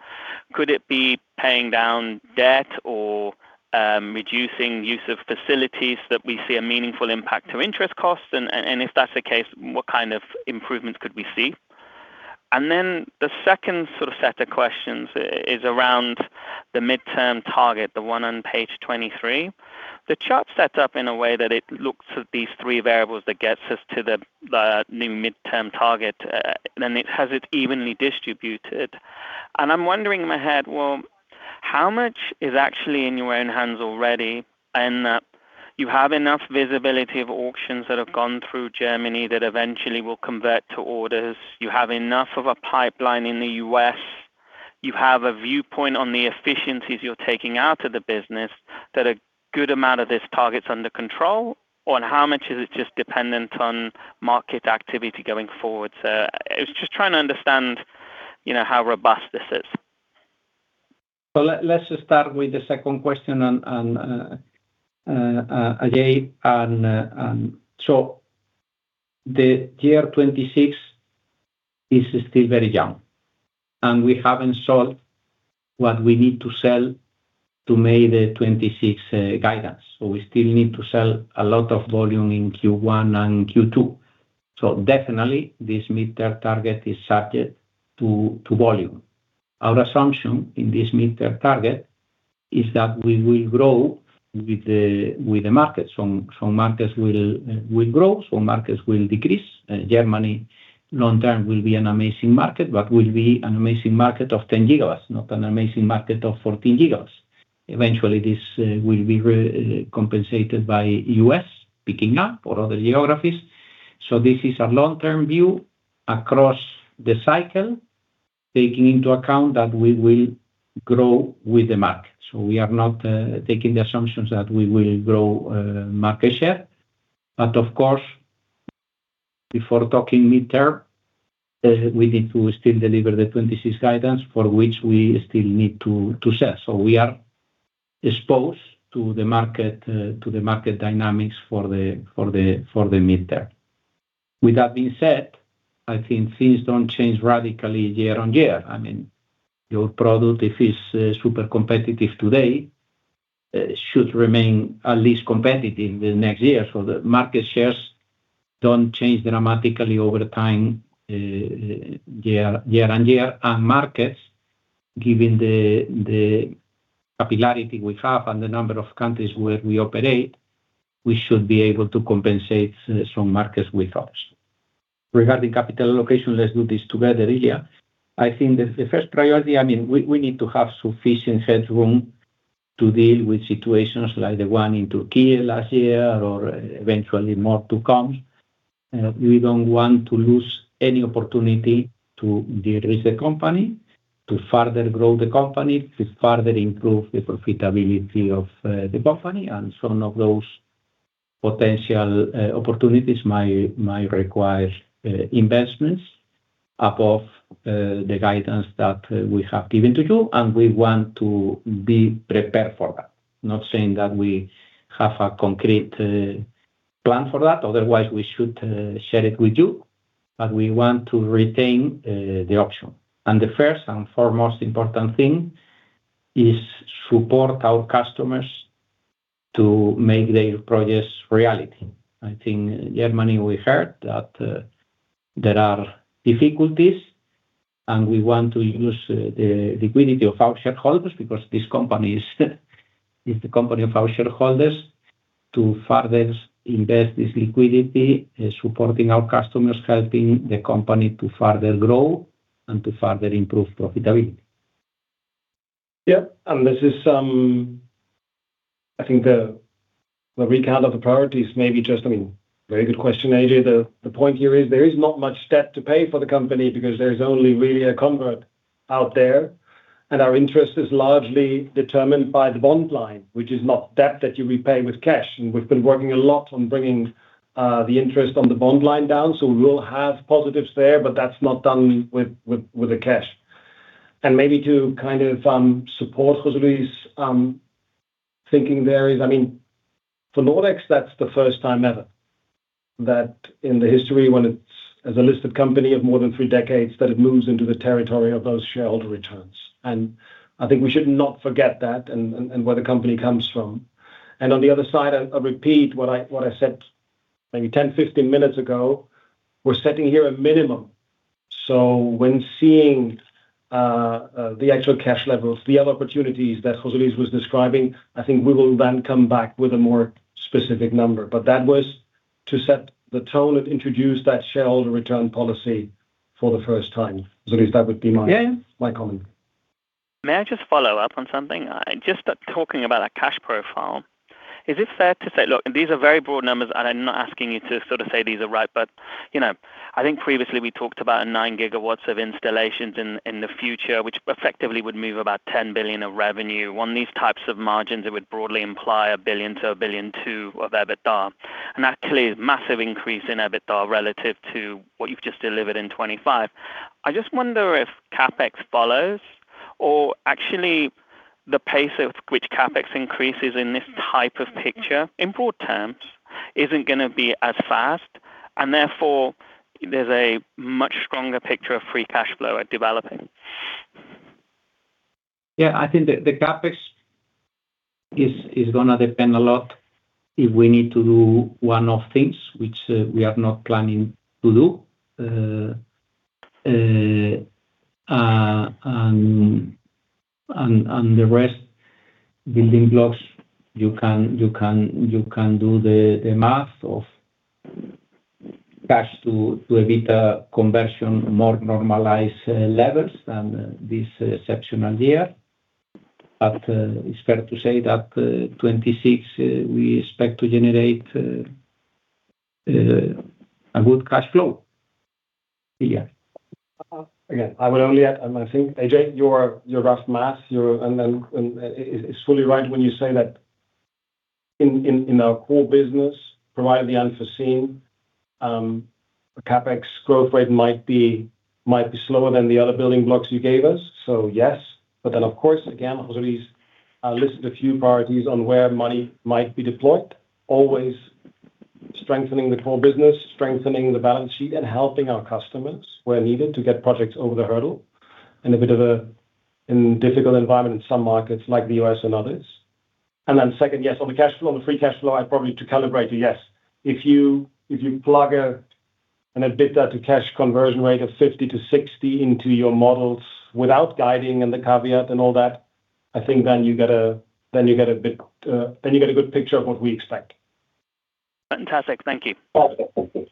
could it be paying down debt or reducing use of facilities that we see a meaningful impact to interest costs? If that's the case, what kind of improvements could we see? The second sort of set of questions is around the midterm target, the one on page 23. The chart sets up in a way that it looks at these three variables that gets us to the new midterm target and it has it evenly distributed. I'm wondering in my head, well, how much is actually in your own hands already? You have enough visibility of auctions that have gone through Germany that eventually will convert to orders. You have enough of a pipeline in the U.S. You have a viewpoint on the efficiencies you're taking out of the business, that a good amount of this target's under control, or how much is it just dependent on market activity going forward? I was just trying to understand, you know, how robust this is. Let's just start with the second question on Ajay. The year 2026 is still very young, and we haven't sold what we need to sell to make the 2026 guidance. We still need to sell a lot of volume in Q1 and Q2. Definitely, this midterm target is subject to volume. Our assumption in this midterm target is that we will grow with the market. Some markets will grow, some markets will decrease. Germany, long term, will be an amazing market, but will be an amazing market of 10 GW, not an amazing market of 14 GW. Eventually, this will be compensated by U.S. picking up or other geographies. This is a long-term view across the cycle, taking into account that we will grow with the market. We are not taking the assumptions that we will grow market share. Of course, before talking midterm, we need to still deliver the 26 guidance, for which we still need to sell. We are exposed to the market, to the market dynamics for the midterm. With that being said, I think things don't change radically year on year. I mean, your product, if it's super competitive today, should remain at least competitive the next year. The market shares don't change dramatically over time, year on year. Markets, given the capillarity we have and the number of countries where we operate, we should be able to compensate some markets with others. Regarding capital allocation, let's do this together, Ajay. I think the first priority, I mean, we need to have sufficient headroom to deal with situations like the one in Turkey last year or eventually more to come. We don't want to lose any opportunity to de-risk the company, to further grow the company, to further improve the profitability of the company. Some of those potential opportunities might require investments above the guidance that we have given to you, and we want to be prepared for that. Not saying that we have a concrete plan for that, otherwise we should share it with you, but we want to retain the option. The first and foremost important thing is support our customers to make their projects reality. I think Germany, we heard that, there are difficulties, and we want to use, the liquidity of our shareholders, because this company is the company of our shareholders, to further invest this liquidity in supporting our customers, helping the company to further grow and to further improve profitability. Yeah, this is, I think the recount of the priorities may be, I mean, very good question, Ajay. The point here is, there is not much debt to pay for the company because there is only really a convert out there, and our interest is largely determined by the bond line, which is not debt that you repay with cash. We've been working a lot on bringing the interest on the bond line down, so we will have positives there, but that's not done with the cash. Maybe to kind of support José Luis' thinking there is... I mean, for Nordex, that's the first time ever, that in the history, when it's as a listed company of more than three decades, that it moves into the territory of those shareholder returns. I think we should not forget that and where the company comes from. On the other side, I repeat what I said maybe 10, 15 minutes ago, we're setting here a minimum. When seeing the actual cash levels, the other opportunities that José Luis was describing, I think we will then come back with a more specific number. That was to set the tone and introduce that shareholder return policy for the first time. José Luis, that would be my- Yeah, yeah.... my comment. May I just follow up on something? Just talking about that cash profile, is it fair to say... Look, and these are very broad numbers, and I'm not asking you to sort of say these are right. You know, I think previously we talked about a 9 GW of installations in the future, which effectively would move about 10 billion of revenue. On these types of margins, it would broadly imply 1 billion to 1.2 billion of EBITDA. That's clearly a massive increase in EBITDA relative to what you've just delivered in 2025. I just wonder if CapEx follows, or actually, the pace of which CapEx increases in this type of picture, in broad terms, isn't gonna be as fast, and therefore, there's a much stronger picture of free cash flow at developing. Yeah, I think the CapEx is gonna depend a lot if we need to do one-off things, which we are not planning to do. The rest building blocks, you can do the math of cash to EBITDA conversion, more normalized levels than this exceptional year. It's fair to say that 2026, we expect to generate a good cash flow. Yeah. I would only add, and I think, Ajay, your rough math, and it's fully right when you say that in our core business, provided the unforeseen, the CapEx growth rate might be slower than the other building blocks you gave us. Yes, but then, of course, again, José Luis listed a few priorities on where money might be deployed, always strengthening the core business, strengthening the balance sheet, and helping our customers where needed to get projects over the hurdle, in a bit of a difficult environment in some markets, like the U.S. and others. Second, yes, on the cash flow, on the free cash flow, I probably to calibrate it. Yes. If you plug an EBITDA to cash conversion rate of 50-60 into your models without guiding and the caveat and all that, I think then you get a bit, then you get a good picture of what we expect. Fantastic. Thank you. Awesome. Thank you.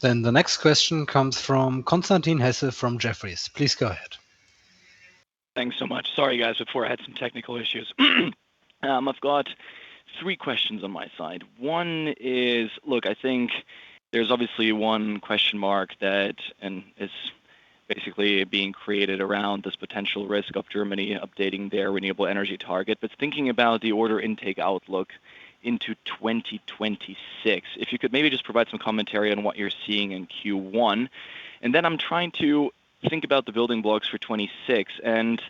The next question comes from Constantin Hesse from Jefferies. Please go ahead. Thanks so much. Sorry, guys, before I had some technical issues. I've got three questions on my side. One is: Look, I think there's obviously one question mark that, and it's basically being created around this potential risk of Germany updating their renewable energy target. Thinking about the order intake outlook into 2026, if you could maybe just provide some commentary on what you're seeing in Q1. Then I'm trying to think about the building blocks for 2026, and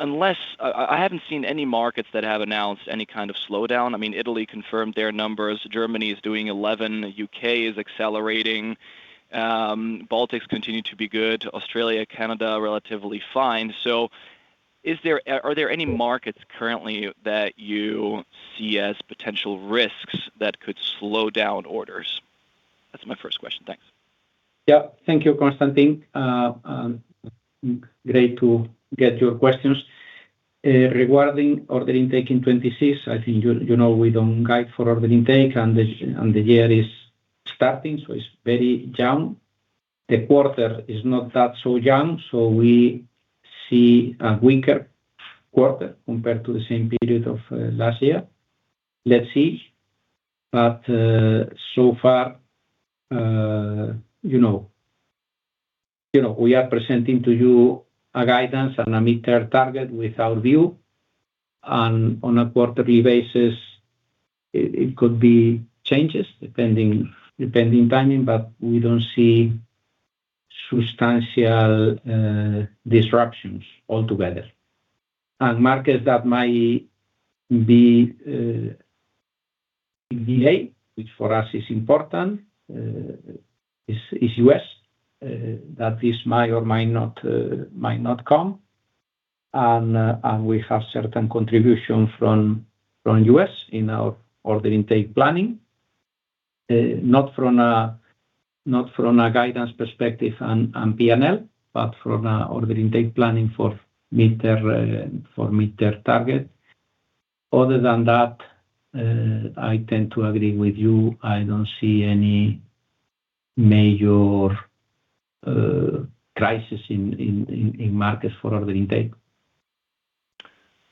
unless, I haven't seen any markets that have announced any kind of slowdown. I mean, Italy confirmed their numbers, Germany is doing 11, UK is accelerating, Baltics continue to be good, Australia, Canada, relatively fine. Are there any markets currently that you see as potential risks that could slow down orders? That's my first question. Thanks. Yeah. Thank you, Constantin. Great to get your questions. Regarding order intake in 26, I think you know, we don't guide for order intake, the year is starting, it's very young. The quarter is not that so young, we see a weaker quarter compared to the same period of last year. Let's see, far, you know, we are presenting to you a guidance and a mid-term target with our view, on a quarterly basis, it could be changes depending timing, we don't see substantial disruptions altogether. Markets that might be VA, which for us is important, is U.S., that this might or might not come. We have certain contribution from U.S. in our order intake planning, not from a guidance perspective and PNL, but from a order intake planning for mid-term target. Other than that, I tend to agree with you. I don't see any major crisis in markets for order intake.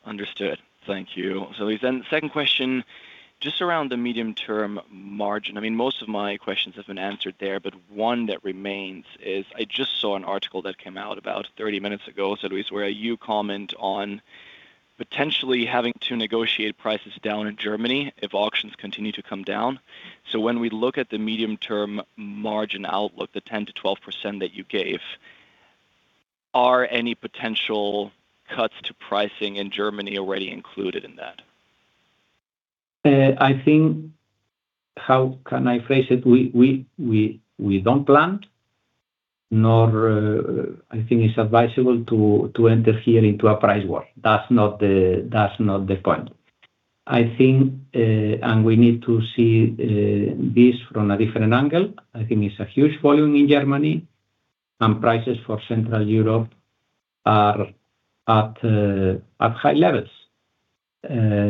Understood. Thank you. Luis, the second question, just around the medium-term margin. I mean, most of my questions have been answered there, but one that remains is, I just saw an article that came out about 30 minutes ago. Luis, where you comment on potentially having to negotiate prices down in Germany if auctions continue to come down. When we look at the medium-term margin outlook, the 10%-12% that you gave, are any potential cuts to pricing in Germany already included in that? I think. How can I phrase it? We don't plan, nor I think it's advisable to enter here into a price war. That's not the point. I think. We need to see this from a different angle. I think it's a huge volume in Germany. Prices for Central Europe are at high levels,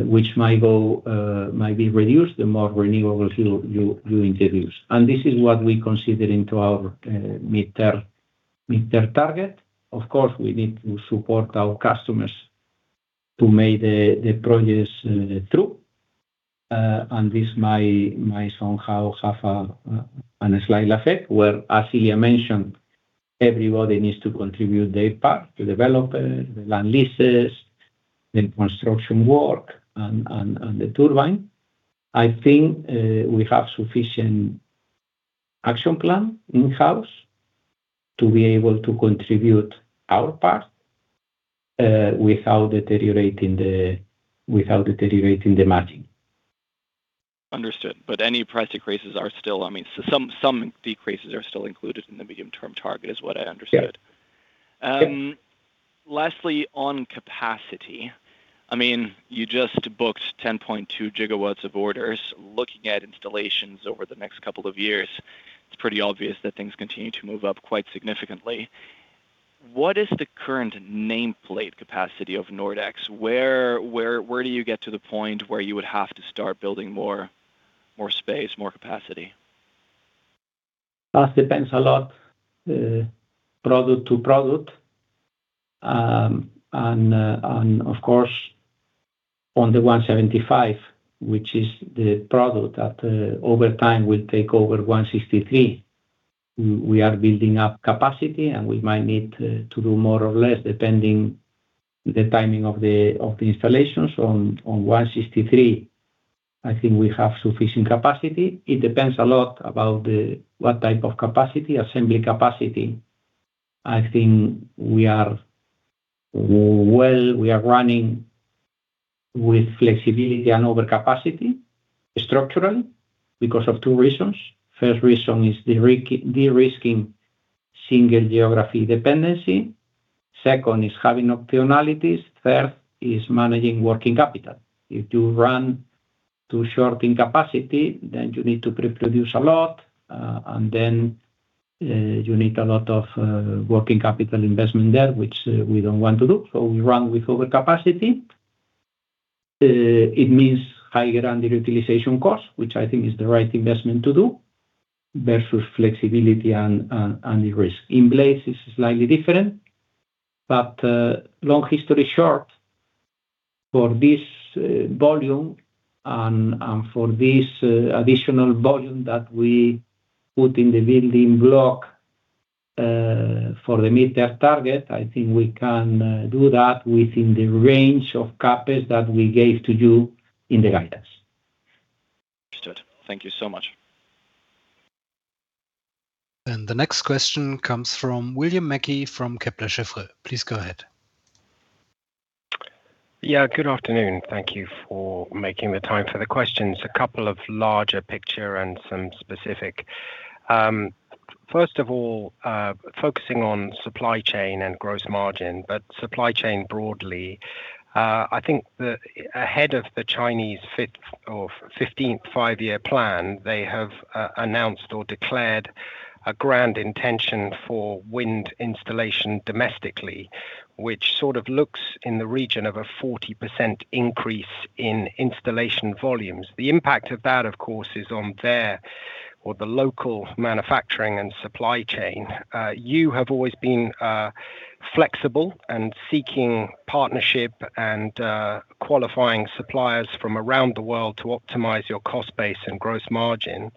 which might go, might be reduced, the more renewables you introduce. This is what we consider into our mid-term target. Of course, we need to support our customers to make the projects through. This might somehow have a slight effect, where, as I mentioned, everybody needs to contribute their part, the developer, the land leases, the construction work, and the turbine. I think, we have sufficient action plan in house to be able to contribute our part, without deteriorating the margin. Understood. Any price decreases are still I mean, so some decreases are still included in the medium-term target, is what I understood. Yeah. lastly, on capacity, I mean, you just booked 10.2 GW of orders. Looking at installations over the next couple of years, it's pretty obvious that things continue to move up quite significantly. What is the current nameplate capacity of Nordex? Where do you get to the point where you would have to start building more space, more capacity? That depends a lot, product-to-product. Of course, on the N175, which is the product that over time will take over N163, we are building up capacity, and we might need to do more or less, depending the timing of the installations. On N163, I think we have sufficient capacity. It depends a lot about what type of capacity, assembly capacity. I think we are well, we are running with flexibility and over capacity structurally, because of two reasons. First reason is the de-risking single geography dependency. Second is having optionalities. Third is managing working capital. If you run too short in capacity, you need to pre-produce a lot, you need a lot of working capital investment there, which we don't want to do. We run with over capacity. It means higher underutilization cost, which I think is the right investment to do, versus flexibility and de-risk. In place, it's slightly different. Long history short, for this volume and for this additional volume that we put in the building block for the mid-term target, I think we can do that within the range of capacity that we gave to you in the guidance. Understood. Thank you so much. The next question comes from William Mackie, from Kepler Cheuvreux. Please go ahead. Good afternoon. Thank you for making the time for the questions. A couple of larger picture and some specific. First of all, focusing on supply chain and gross margin, but supply chain broadly, I think ahead of the Chinese 15th Five-Year Plan, they have announced or declared a grand intention for wind installation domestically, which sort of looks in the region of a 40% increase in installation volumes. The impact of that, of course, is on the local manufacturing and supply chain. You have always been flexible and seeking partnership and qualifying suppliers from around the world to optimize your cost base and gross margin.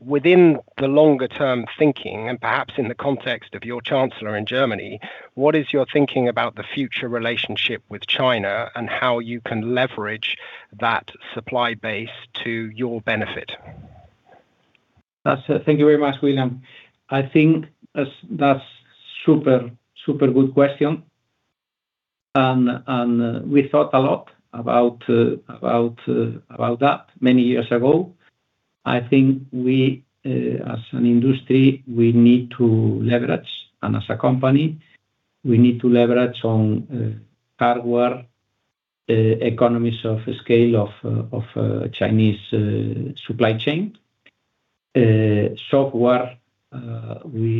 Within the longer-term thinking, and perhaps in the context of your chancellor in Germany, what is your thinking about the future relationship with China, and how you can leverage that supply base to your benefit? That's. Thank you very much, William. I think that's super good question. We thought a lot about that many years ago. I think we, as an industry, we need to leverage, and as a company, we need to leverage on hardware economies of scale of Chinese supply chain. Software, we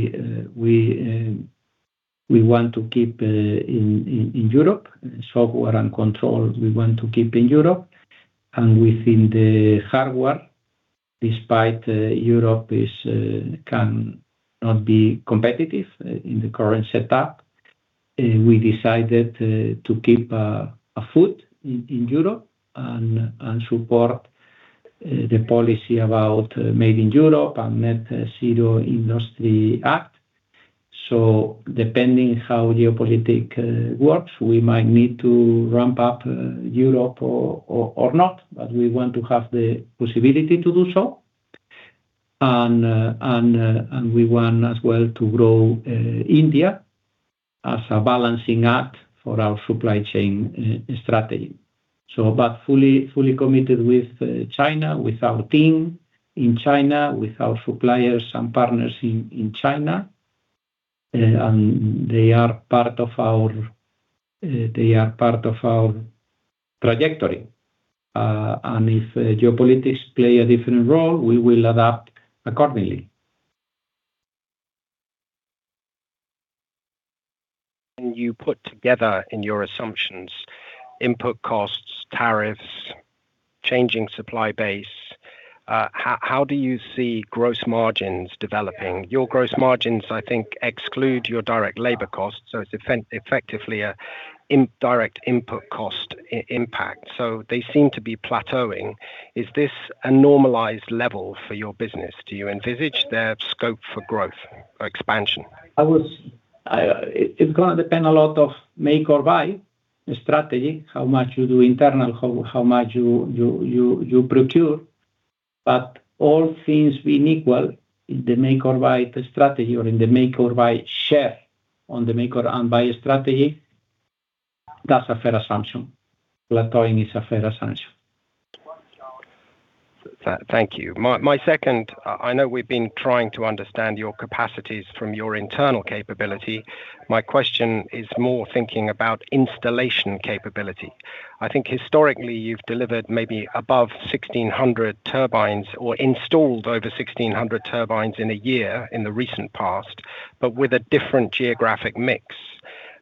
want to keep in Europe. Software and control, we want to keep in Europe. Within the hardware, despite Europe is cannot be competitive in the current setup, we decided to keep a foot in Europe and support the policy about made in Europe and Net-Zero Industry Act. Depending how geopolitics works, we might need to ramp up Europe or not, but we want to have the possibility to do so. We want as well to grow India as a balancing act for our supply chain strategy. But fully committed with China, with our team in China, with our suppliers and partners in China, they are part of our trajectory. If geopolitics play a different role, we will adapt accordingly. When you put together in your assumptions, input costs, tariffs, changing supply base, how do you see gross margins developing? Your gross margins, I think, exclude your direct labor costs, so it's effectively an indirect input cost impact. They seem to be plateauing. Is this a normalized level for your business? Do you envisage their scope for growth or expansion? It's gonna depend a lot of make or buy strategy, how much you do internal, how much you procure. All things being equal, in the make or buy strategy or in the make or buy share on the make or buy strategy, that's a fair assumption. Plateauing is a fair assumption. Thank you. My second, I know we've been trying to understand your capacities from your internal capability. My question is more thinking about installation capability. I think historically, you've delivered maybe above 1,600 turbines or installed over 1,600 turbines in a year in the recent past, but with a different geographic mix.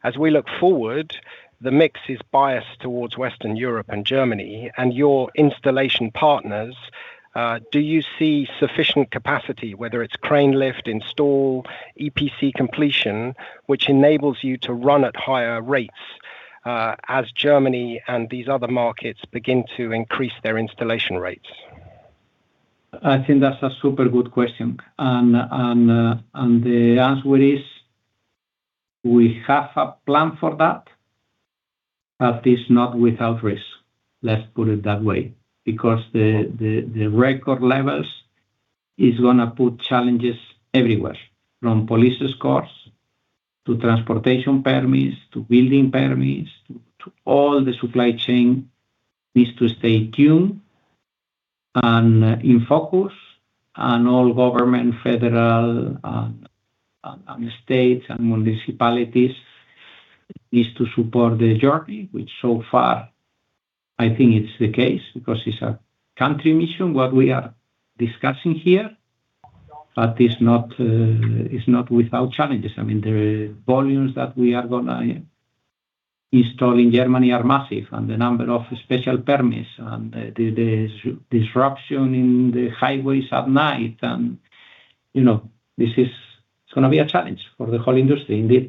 As we look forward, the mix is biased towards Western Europe and Germany and your installation partners, do you see sufficient capacity, whether it's crane lift, install, EPC completion, which enables you to run at higher rates, as Germany and these other markets begin to increase their installation rates? I think that's a super good question. The answer is, we have a plan for that, but it's not without risk. Let's put it that way, because the record levels is gonna put challenges everywhere, from police escorts, to transportation permits, to building permits, to all the supply chain needs to stay tuned and in focus, and all government, federal, and states, and municipalities needs to support the journey, which so far I think it's the case, because it's a country mission, what we are discussing here, but it's not without challenges. I mean, the volumes that we are gonna install in Germany are massive, and the number of special permits and the disruption in the highways at night. You know, this is gonna be a challenge for the whole industry, indeed.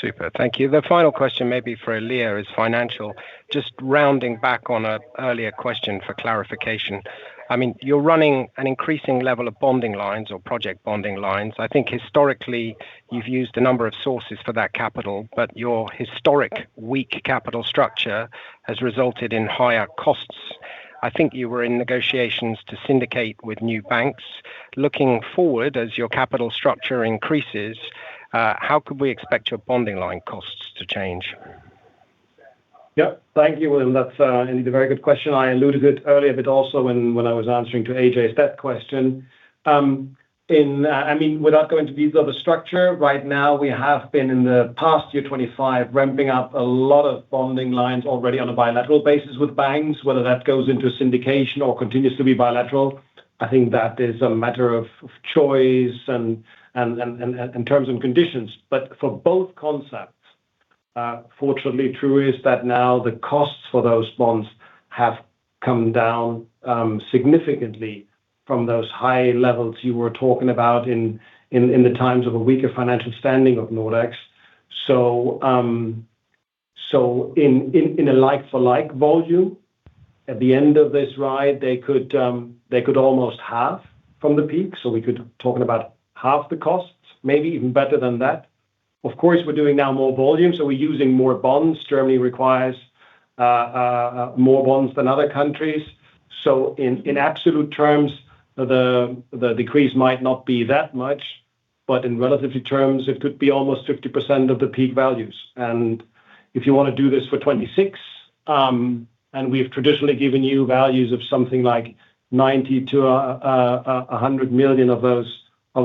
Super. Thank you. The final question may be for Ilya, is financial. Rounding back on an earlier question for clarification. I mean, you're running an increasing level of bonding lines or project bonding lines. I think historically, you've used a number of sources for that capital, but your historic weak capital structure has resulted in higher costs. I think you were in negotiations to syndicate with new banks. Looking forward, as your capital structure increases, how could we expect your bonding line costs to change? Yep. Thank you, William. That's indeed a very good question. I alluded it earlier, but also when I was answering to Ajay's 3rd question. In, I mean, without going to these other structure, right now, we have been, in the past year, 25, ramping up a lot of bonding lines already on a bilateral basis with banks. Whether that goes into a syndication or continues to be bilateral, I think that is a matter of choice and terms and conditions. For both, fortunately, true is that now the costs for those bonds have come down, significantly from those high levels you were talking about in the times of a weaker financial standing of Nordex. In a like-for-like volume, at the end of this ride, they could almost halve from the peak. We could talking about half the costs, maybe even better than that. Of course, we're doing now more volume, so we're using more bonds. Germany requires more bonds than other countries. In absolute terms, the decrease might not be that much, but in relative terms, it could be almost 50% of the peak values. If you wanna do this for 2026, and we've traditionally given you values of something like 90 million to 100 million of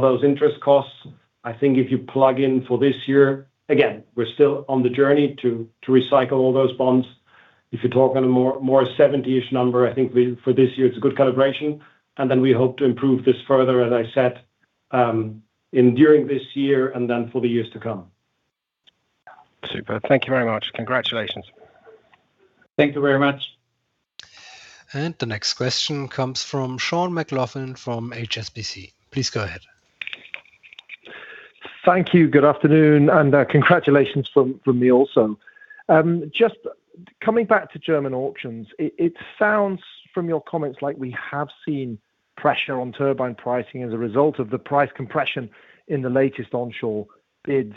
those interest costs, I think if you plug in for this year. Again, we're still on the journey to recycle all those bonds. If you're talking a more 70-ish number, I think for this year, it's a good calibration, then we hope to improve this further, as I said, during this year then for the years to come. Super. Thank you very much. Congratulations. Thank you very much. The next question comes from Sean McLoughlin from HSBC. Please go ahead. Thank you. Good afternoon, and congratulations from me also. Just coming back to German auctions, it sounds from your comments like we have seen pressure on turbine pricing as a result of the price compression in the latest onshore bids.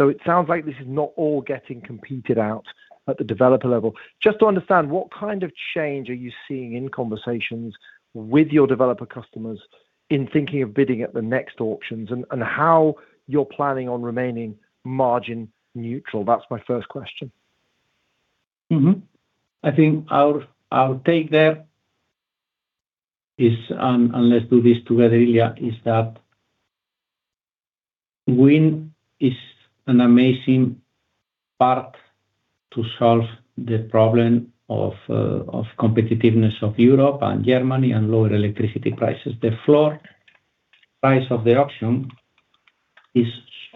It sounds like this is not all getting competed out at the developer level. Just to understand, what kind of change are you seeing in conversations with your developer customers in thinking of bidding at the next auctions, and how you're planning on remaining margin neutral? That's my first question. I think our take there is, and let's do this together, Ilya, is that wind is an amazing part to solve the problem of competitiveness of Europe and Germany and lower electricity prices. The floor price of the auction is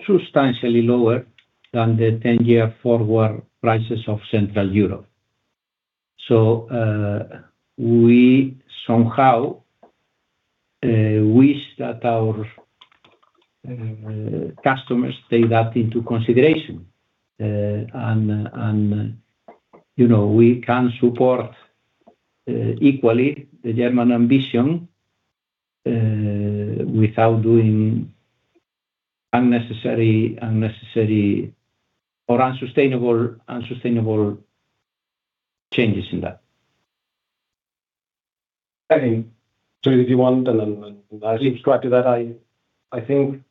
substantially lower than the 10-year forward prices of Central Europe. We somehow wish that our customers take that into consideration. You know, we can support equally the German ambition without doing unnecessary or unsustainable changes in that. I mean, if you want, then I'll subscribe to that. I think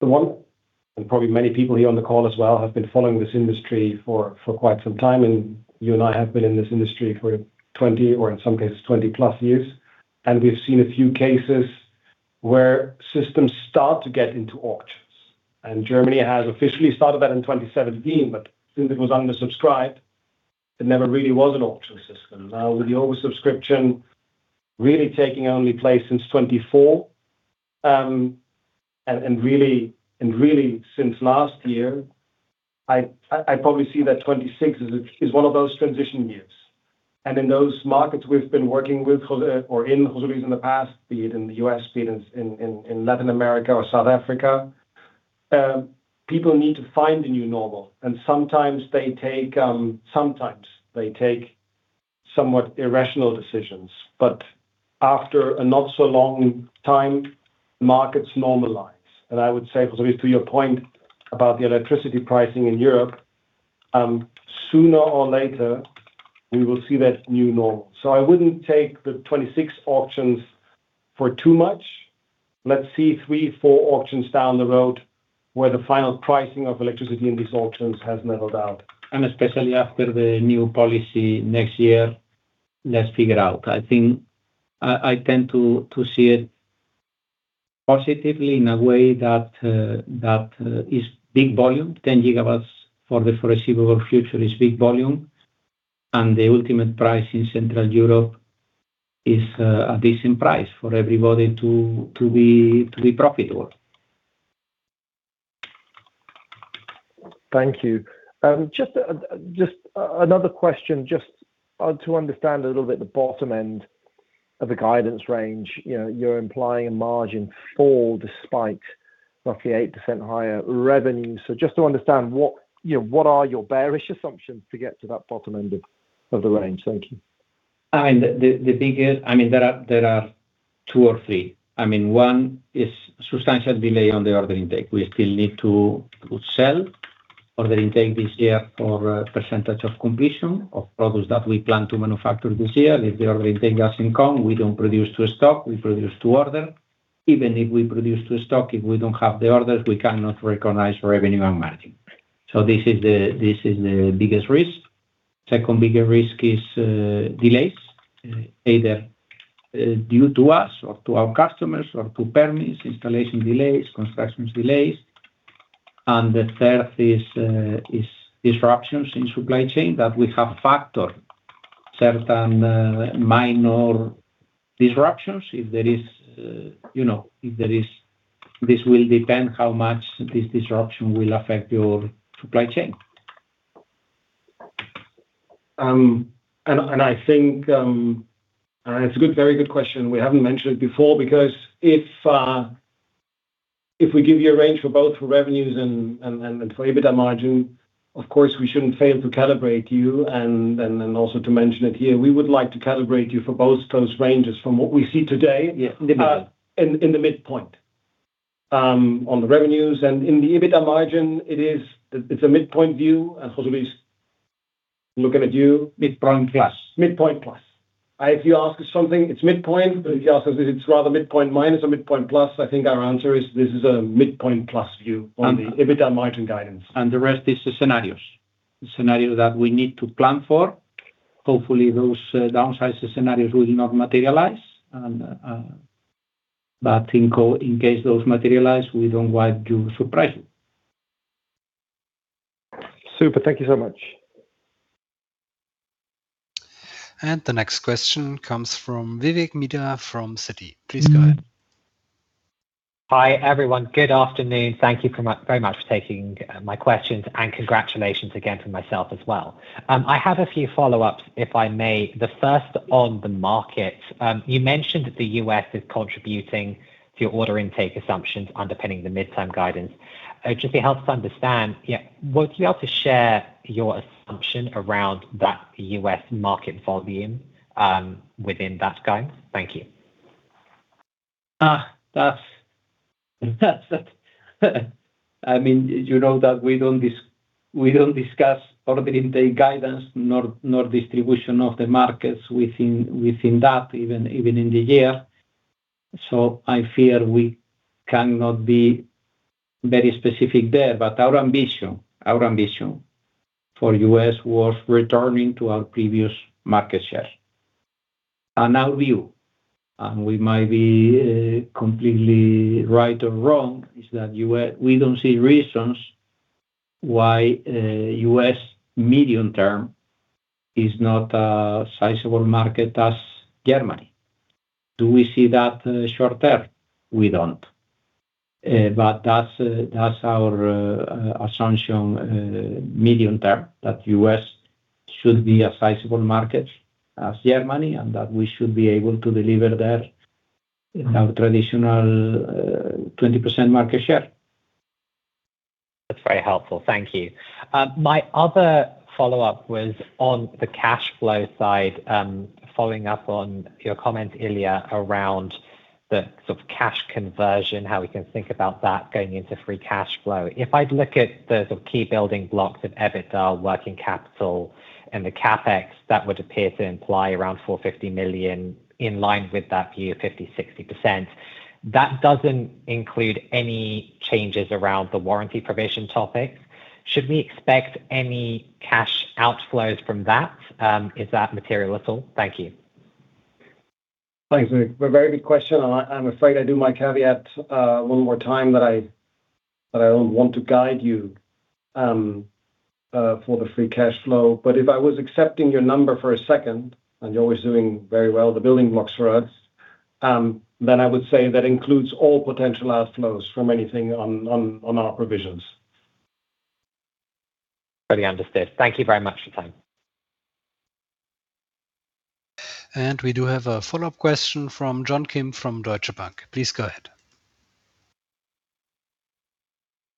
the one, probably many people here on the call as well, have been following this industry for quite some time, and you and I have been in this industry for 20, or in some cases, 20-plus years. We've seen a few cases where systems start to get into auctions, and Germany has officially started that in 2017, but since it was undersubscribed, it never really was an auction system. With the oversubscription really taking only place since 2024, and really since last year, I probably see that 2026 is one of those transition years. In those markets we've been working with José, in the past, be it in the U.S., be it in Latin America or South Africa, people need to find a new normal, and sometimes they take somewhat irrational decisions. After a not so long time, markets normalize. I would say, José, to your point about the electricity pricing in Europe, sooner or later, we will see that new normal. I wouldn't take the 26 auctions for too much. Let's see 3, 4 auctions down the road, where the final pricing of electricity in these auctions has leveled out. Especially after the new policy next year, let's figure out. I think I tend to see it positively in a way that is big volume. 10 GW for the foreseeable future is big volume, and the ultimate price in Central Europe is a decent price for everybody to be profitable. Thank you. Just another question, just to understand a little bit the bottom end of the guidance range. You know, you're implying a margin fall despite roughly 8% higher revenue. Just to understand, what you know, what are your bearish assumptions to get to that bottom end of the range? Thank you. I mean, the biggest. I mean, there are 2 or 3. I mean, one is substantial delay on the order intake. We still need to sell order intake this year for a percentage of completion of products that we plan to manufacture this year. If the order intake is in come, we don't produce to stock, we produce to order. Even if we produce to stock, if we don't have the orders, we cannot recognize revenue and margin. This is the biggest risk. Second bigger risk is delays either due to us or to our customers, or to permits, installation delays, construction delays. The third is disruptions in supply chain that we have factored. certain minor disruptions, if there is, you know, this will depend how much this disruption will affect your supply chain. I think, it's a good, very good question. We haven't mentioned it before, because if we give you a range for both revenues and for EBITDA margin, of course, we shouldn't fail to calibrate you and then also to mention it here. We would like to calibrate you for both those ranges from what we see today. Yeah, midpoint. In the midpoint, on the revenues and in the EBITDA margin, It's a midpoint view, and José Luis looking at you. Midpoint plus. Midpoint plus. If you ask us something, it's midpoint. If you ask us if it's rather midpoint minus or midpoint plus, I think our answer is this is a midpoint plus view on the. And- EBITDA margin guidance. The rest is the scenarios. The scenario that we need to plan for. Hopefully, those downside scenarios will not materialize, but in case those materialize, we don't want you surprised. Super. Thank you so much. The next question comes from Vivek Midha from Citi. Please go ahead. Hi, everyone. Good afternoon. Thank you very much for taking my questions. Congratulations again to myself as well. I have a few follow-ups, if I may. The first on the market. You mentioned that the U.S. is contributing to your order intake assumptions underpinning the midterm guidance. It just helps to understand, yeah, would you be able to share your assumption around that U.S. market volume within that guide? Thank you. That's. I mean, you know that we don't discuss order intake guidance, nor distribution of the markets within that, even in the year. I fear we cannot be very specific there. Our ambition for U.S. was returning to our previous market share. Our view, and we might be completely right or wrong, is that we don't see reasons why U.S. medium term is not a sizable market as Germany. Do we see that short term? We don't. That's our assumption medium term, that U.S. should be a sizable market as Germany, and that we should be able to deliver there our traditional 20% market share. That's very helpful. Thank you. My other follow-up was on the cash flow side, following up on your comment, Ilya, around the sort of cash conversion, how we can think about that going into free cash flow. If I'd look at the sort of key building blocks of EBITDA, working capital, and the CapEx, that would appear to imply around 450 million, in line with that view, 50%-60%. That doesn't include any changes around the warranty provision topic. Should we expect any cash outflows from that? Is that material at all? Thank you. Thanks, Vivek. A very good question, and I'm afraid I do my caveat one more time that I don't want to guide you for the free cash flow. If I was accepting your number for a second, and you're always doing very well, the building blocks for us, then I would say that includes all potential outflows from anything on our provisions. Fully understood. Thank you very much for time. We do have a follow-up question from John Kim from Deutsche Bank. Please go ahead.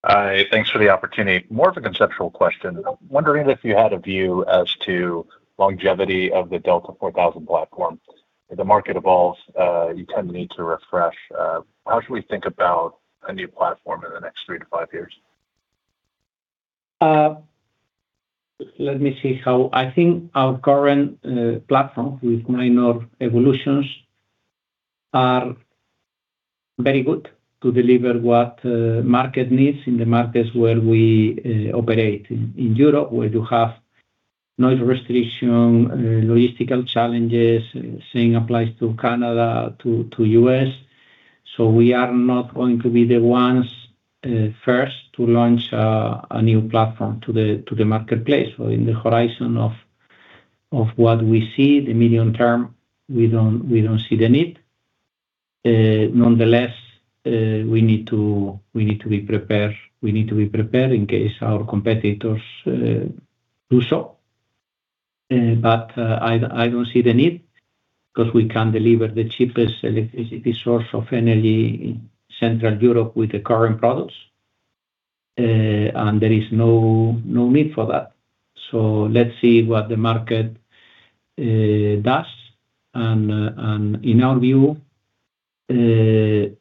Hi, thanks for the opportunity. More of a conceptual question. Wondering if you had a view as to longevity of the Delta4000 platform. As the market evolves, you tend to need to refresh. How should we think about a new platform in the next 3 to 5 years? Let me see. I think our current platform, with minor evolutions, are very good to deliver what market needs in the markets where we operate. In Europe, where you have no restriction, logistical challenges, same applies to Canada, to U.S. We are not going to be the ones first to launch a new platform to the marketplace. In the horizon of what we see, the medium term, we don't see the need. Nonetheless, we need to be prepared in case our competitors do so. But I don't see the need, because we can deliver the cheapest electricity source of energy in Central Europe with the current products, and there is no need for that. Let's see what the market does. In our view, the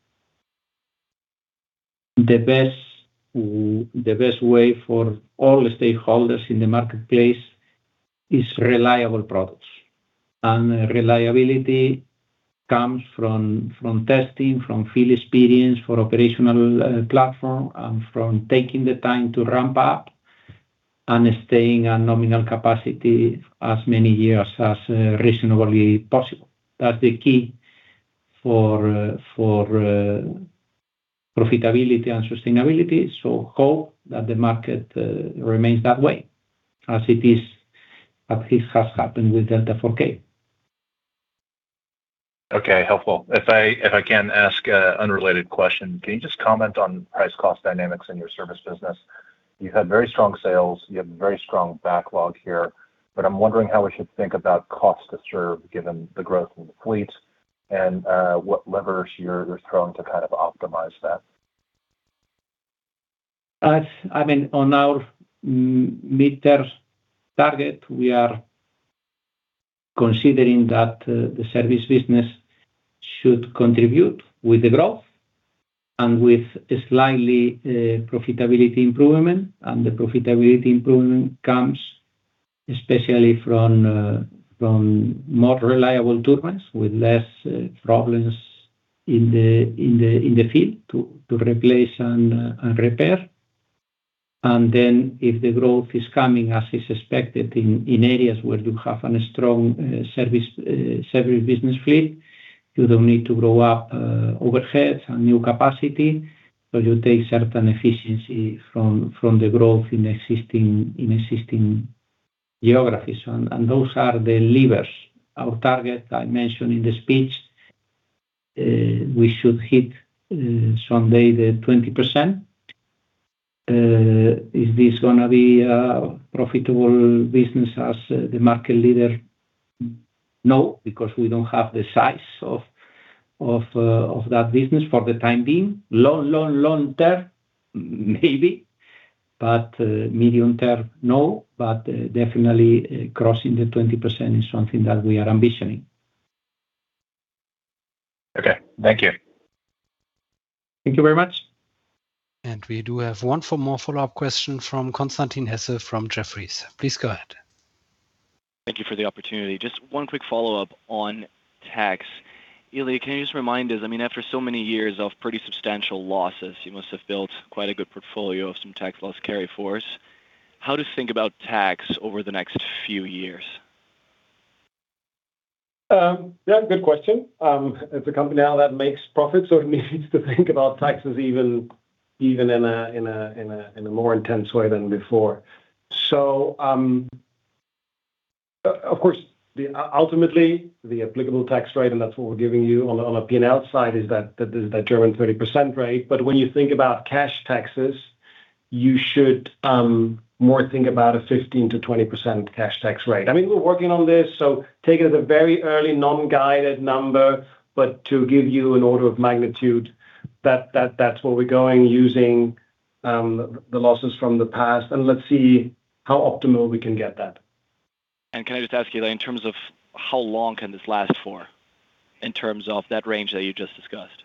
best way for all the stakeholders in the marketplace is reliable products. Reliability comes from testing, from field experience, for operational platform, and from taking the time to ramp up and staying on nominal capacity as many years as reasonably possible. That's the key for profitability and sustainability. Hope that the market remains that way as it is, as it has happened with Delta4000. Okay, helpful. If I can ask an unrelated question, can you just comment on price cost dynamics in your service business? You've had very strong sales, you have very strong backlog here, but I'm wondering how we should think about cost to serve, given the growth in the fleet and what levers you're throwing to kind of optimize that. I mean, on our midterm target, we are considering that the service business should contribute with the growth and with a slightly profitability improvement, and the profitability improvement comes especially from more reliable turbines, with less problems in the field, to replace and repair. If the growth is coming, as is expected in areas where you have a strong service business fleet, you don't need to grow up overhead and new capacity, so you take certain efficiency from the growth in existing geographies. Those are the levers. Our target, I mentioned in the speech, we should hit someday the 20%. Is this gonna be a profitable business as the market leader? No, because we don't have the size of that business for the time being. Long term, maybe, but medium term, no, but definitely crossing the 20% is something that we are ambitioning. Okay. Thank you. Thank you very much. We do have one for more follow-up question from Constantin Hesse from Jefferies. Please go ahead. Thank you for the opportunity. Just one quick follow-up on tax. Ilya, can you just remind us, I mean, after so many years of pretty substantial losses, you must have built quite a good portfolio of some tax loss carry-forwards. How to think about tax over the next few years? Yeah, good question. As a company now that makes profit, it needs to think about taxes even in a more intense way than before. Of course, ultimately, the applicable tax rate, and that's what we're giving you on a P&L side, is that German 30% rate. When you think about cash taxes, you should more think about a 15%-20% cash tax rate. I mean, we're working on this, so take it as a very early non-guided number, but to give you an order of magnitude, that's where we're going, using the losses from the past, and let's see how optimal we can get that. Can I just ask you, like, in terms of how long can this last for, in terms of that range that you just discussed?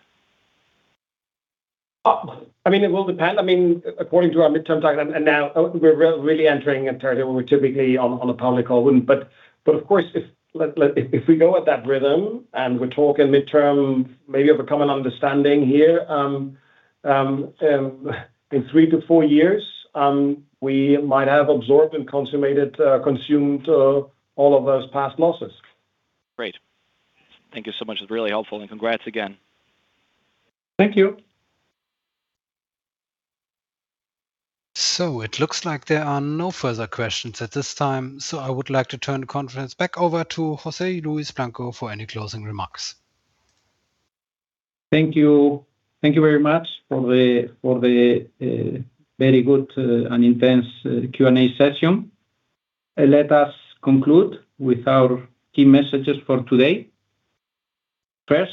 I mean, it will depend. I mean, according to our midterm target, and now we're really entering a territory where we're typically on a public call, wouldn't. Of course, if we go at that rhythm, and we're talking midterm, maybe of a common understanding here, in 3-4 years, we might have absorbed and consummated, consumed, all of those past losses. Great. Thank you so much. It's really helpful, and congrats again. Thank you. It looks like there are no further questions at this time, so I would like to turn the conference back over to José Luis Blanco for any closing remarks. Thank you. Thank you very much for the, for the, very good, and intense Q&A session. Let us conclude with our key messages for today. First,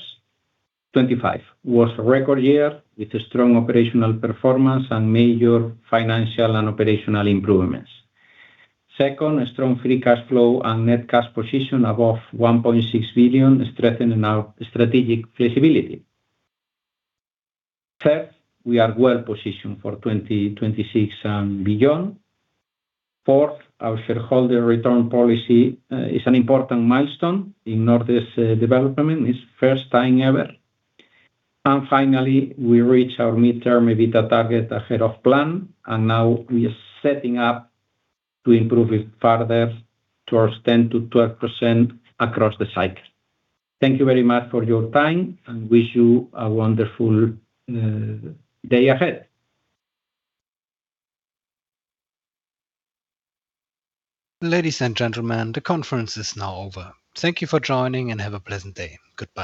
2025 was a record year with a strong operational performance and major financial and operational improvements. Second, a strong free cash flow and net cash position above 1.6 billion is strengthening our strategic flexibility. Third, we are well positioned for 2026 and beyond. Fourth, our shareholder return policy is an important milestone in Nordex's development. It's first time ever. Finally, we reached our midterm EBITDA target ahead of plan. Now we are setting up to improve it further towards 10%-12% across the cycle. Thank you very much for your time, and wish you a wonderful day ahead. Ladies and gentlemen, the conference is now over. Thank you for joining, and have a pleasant day. Goodbye.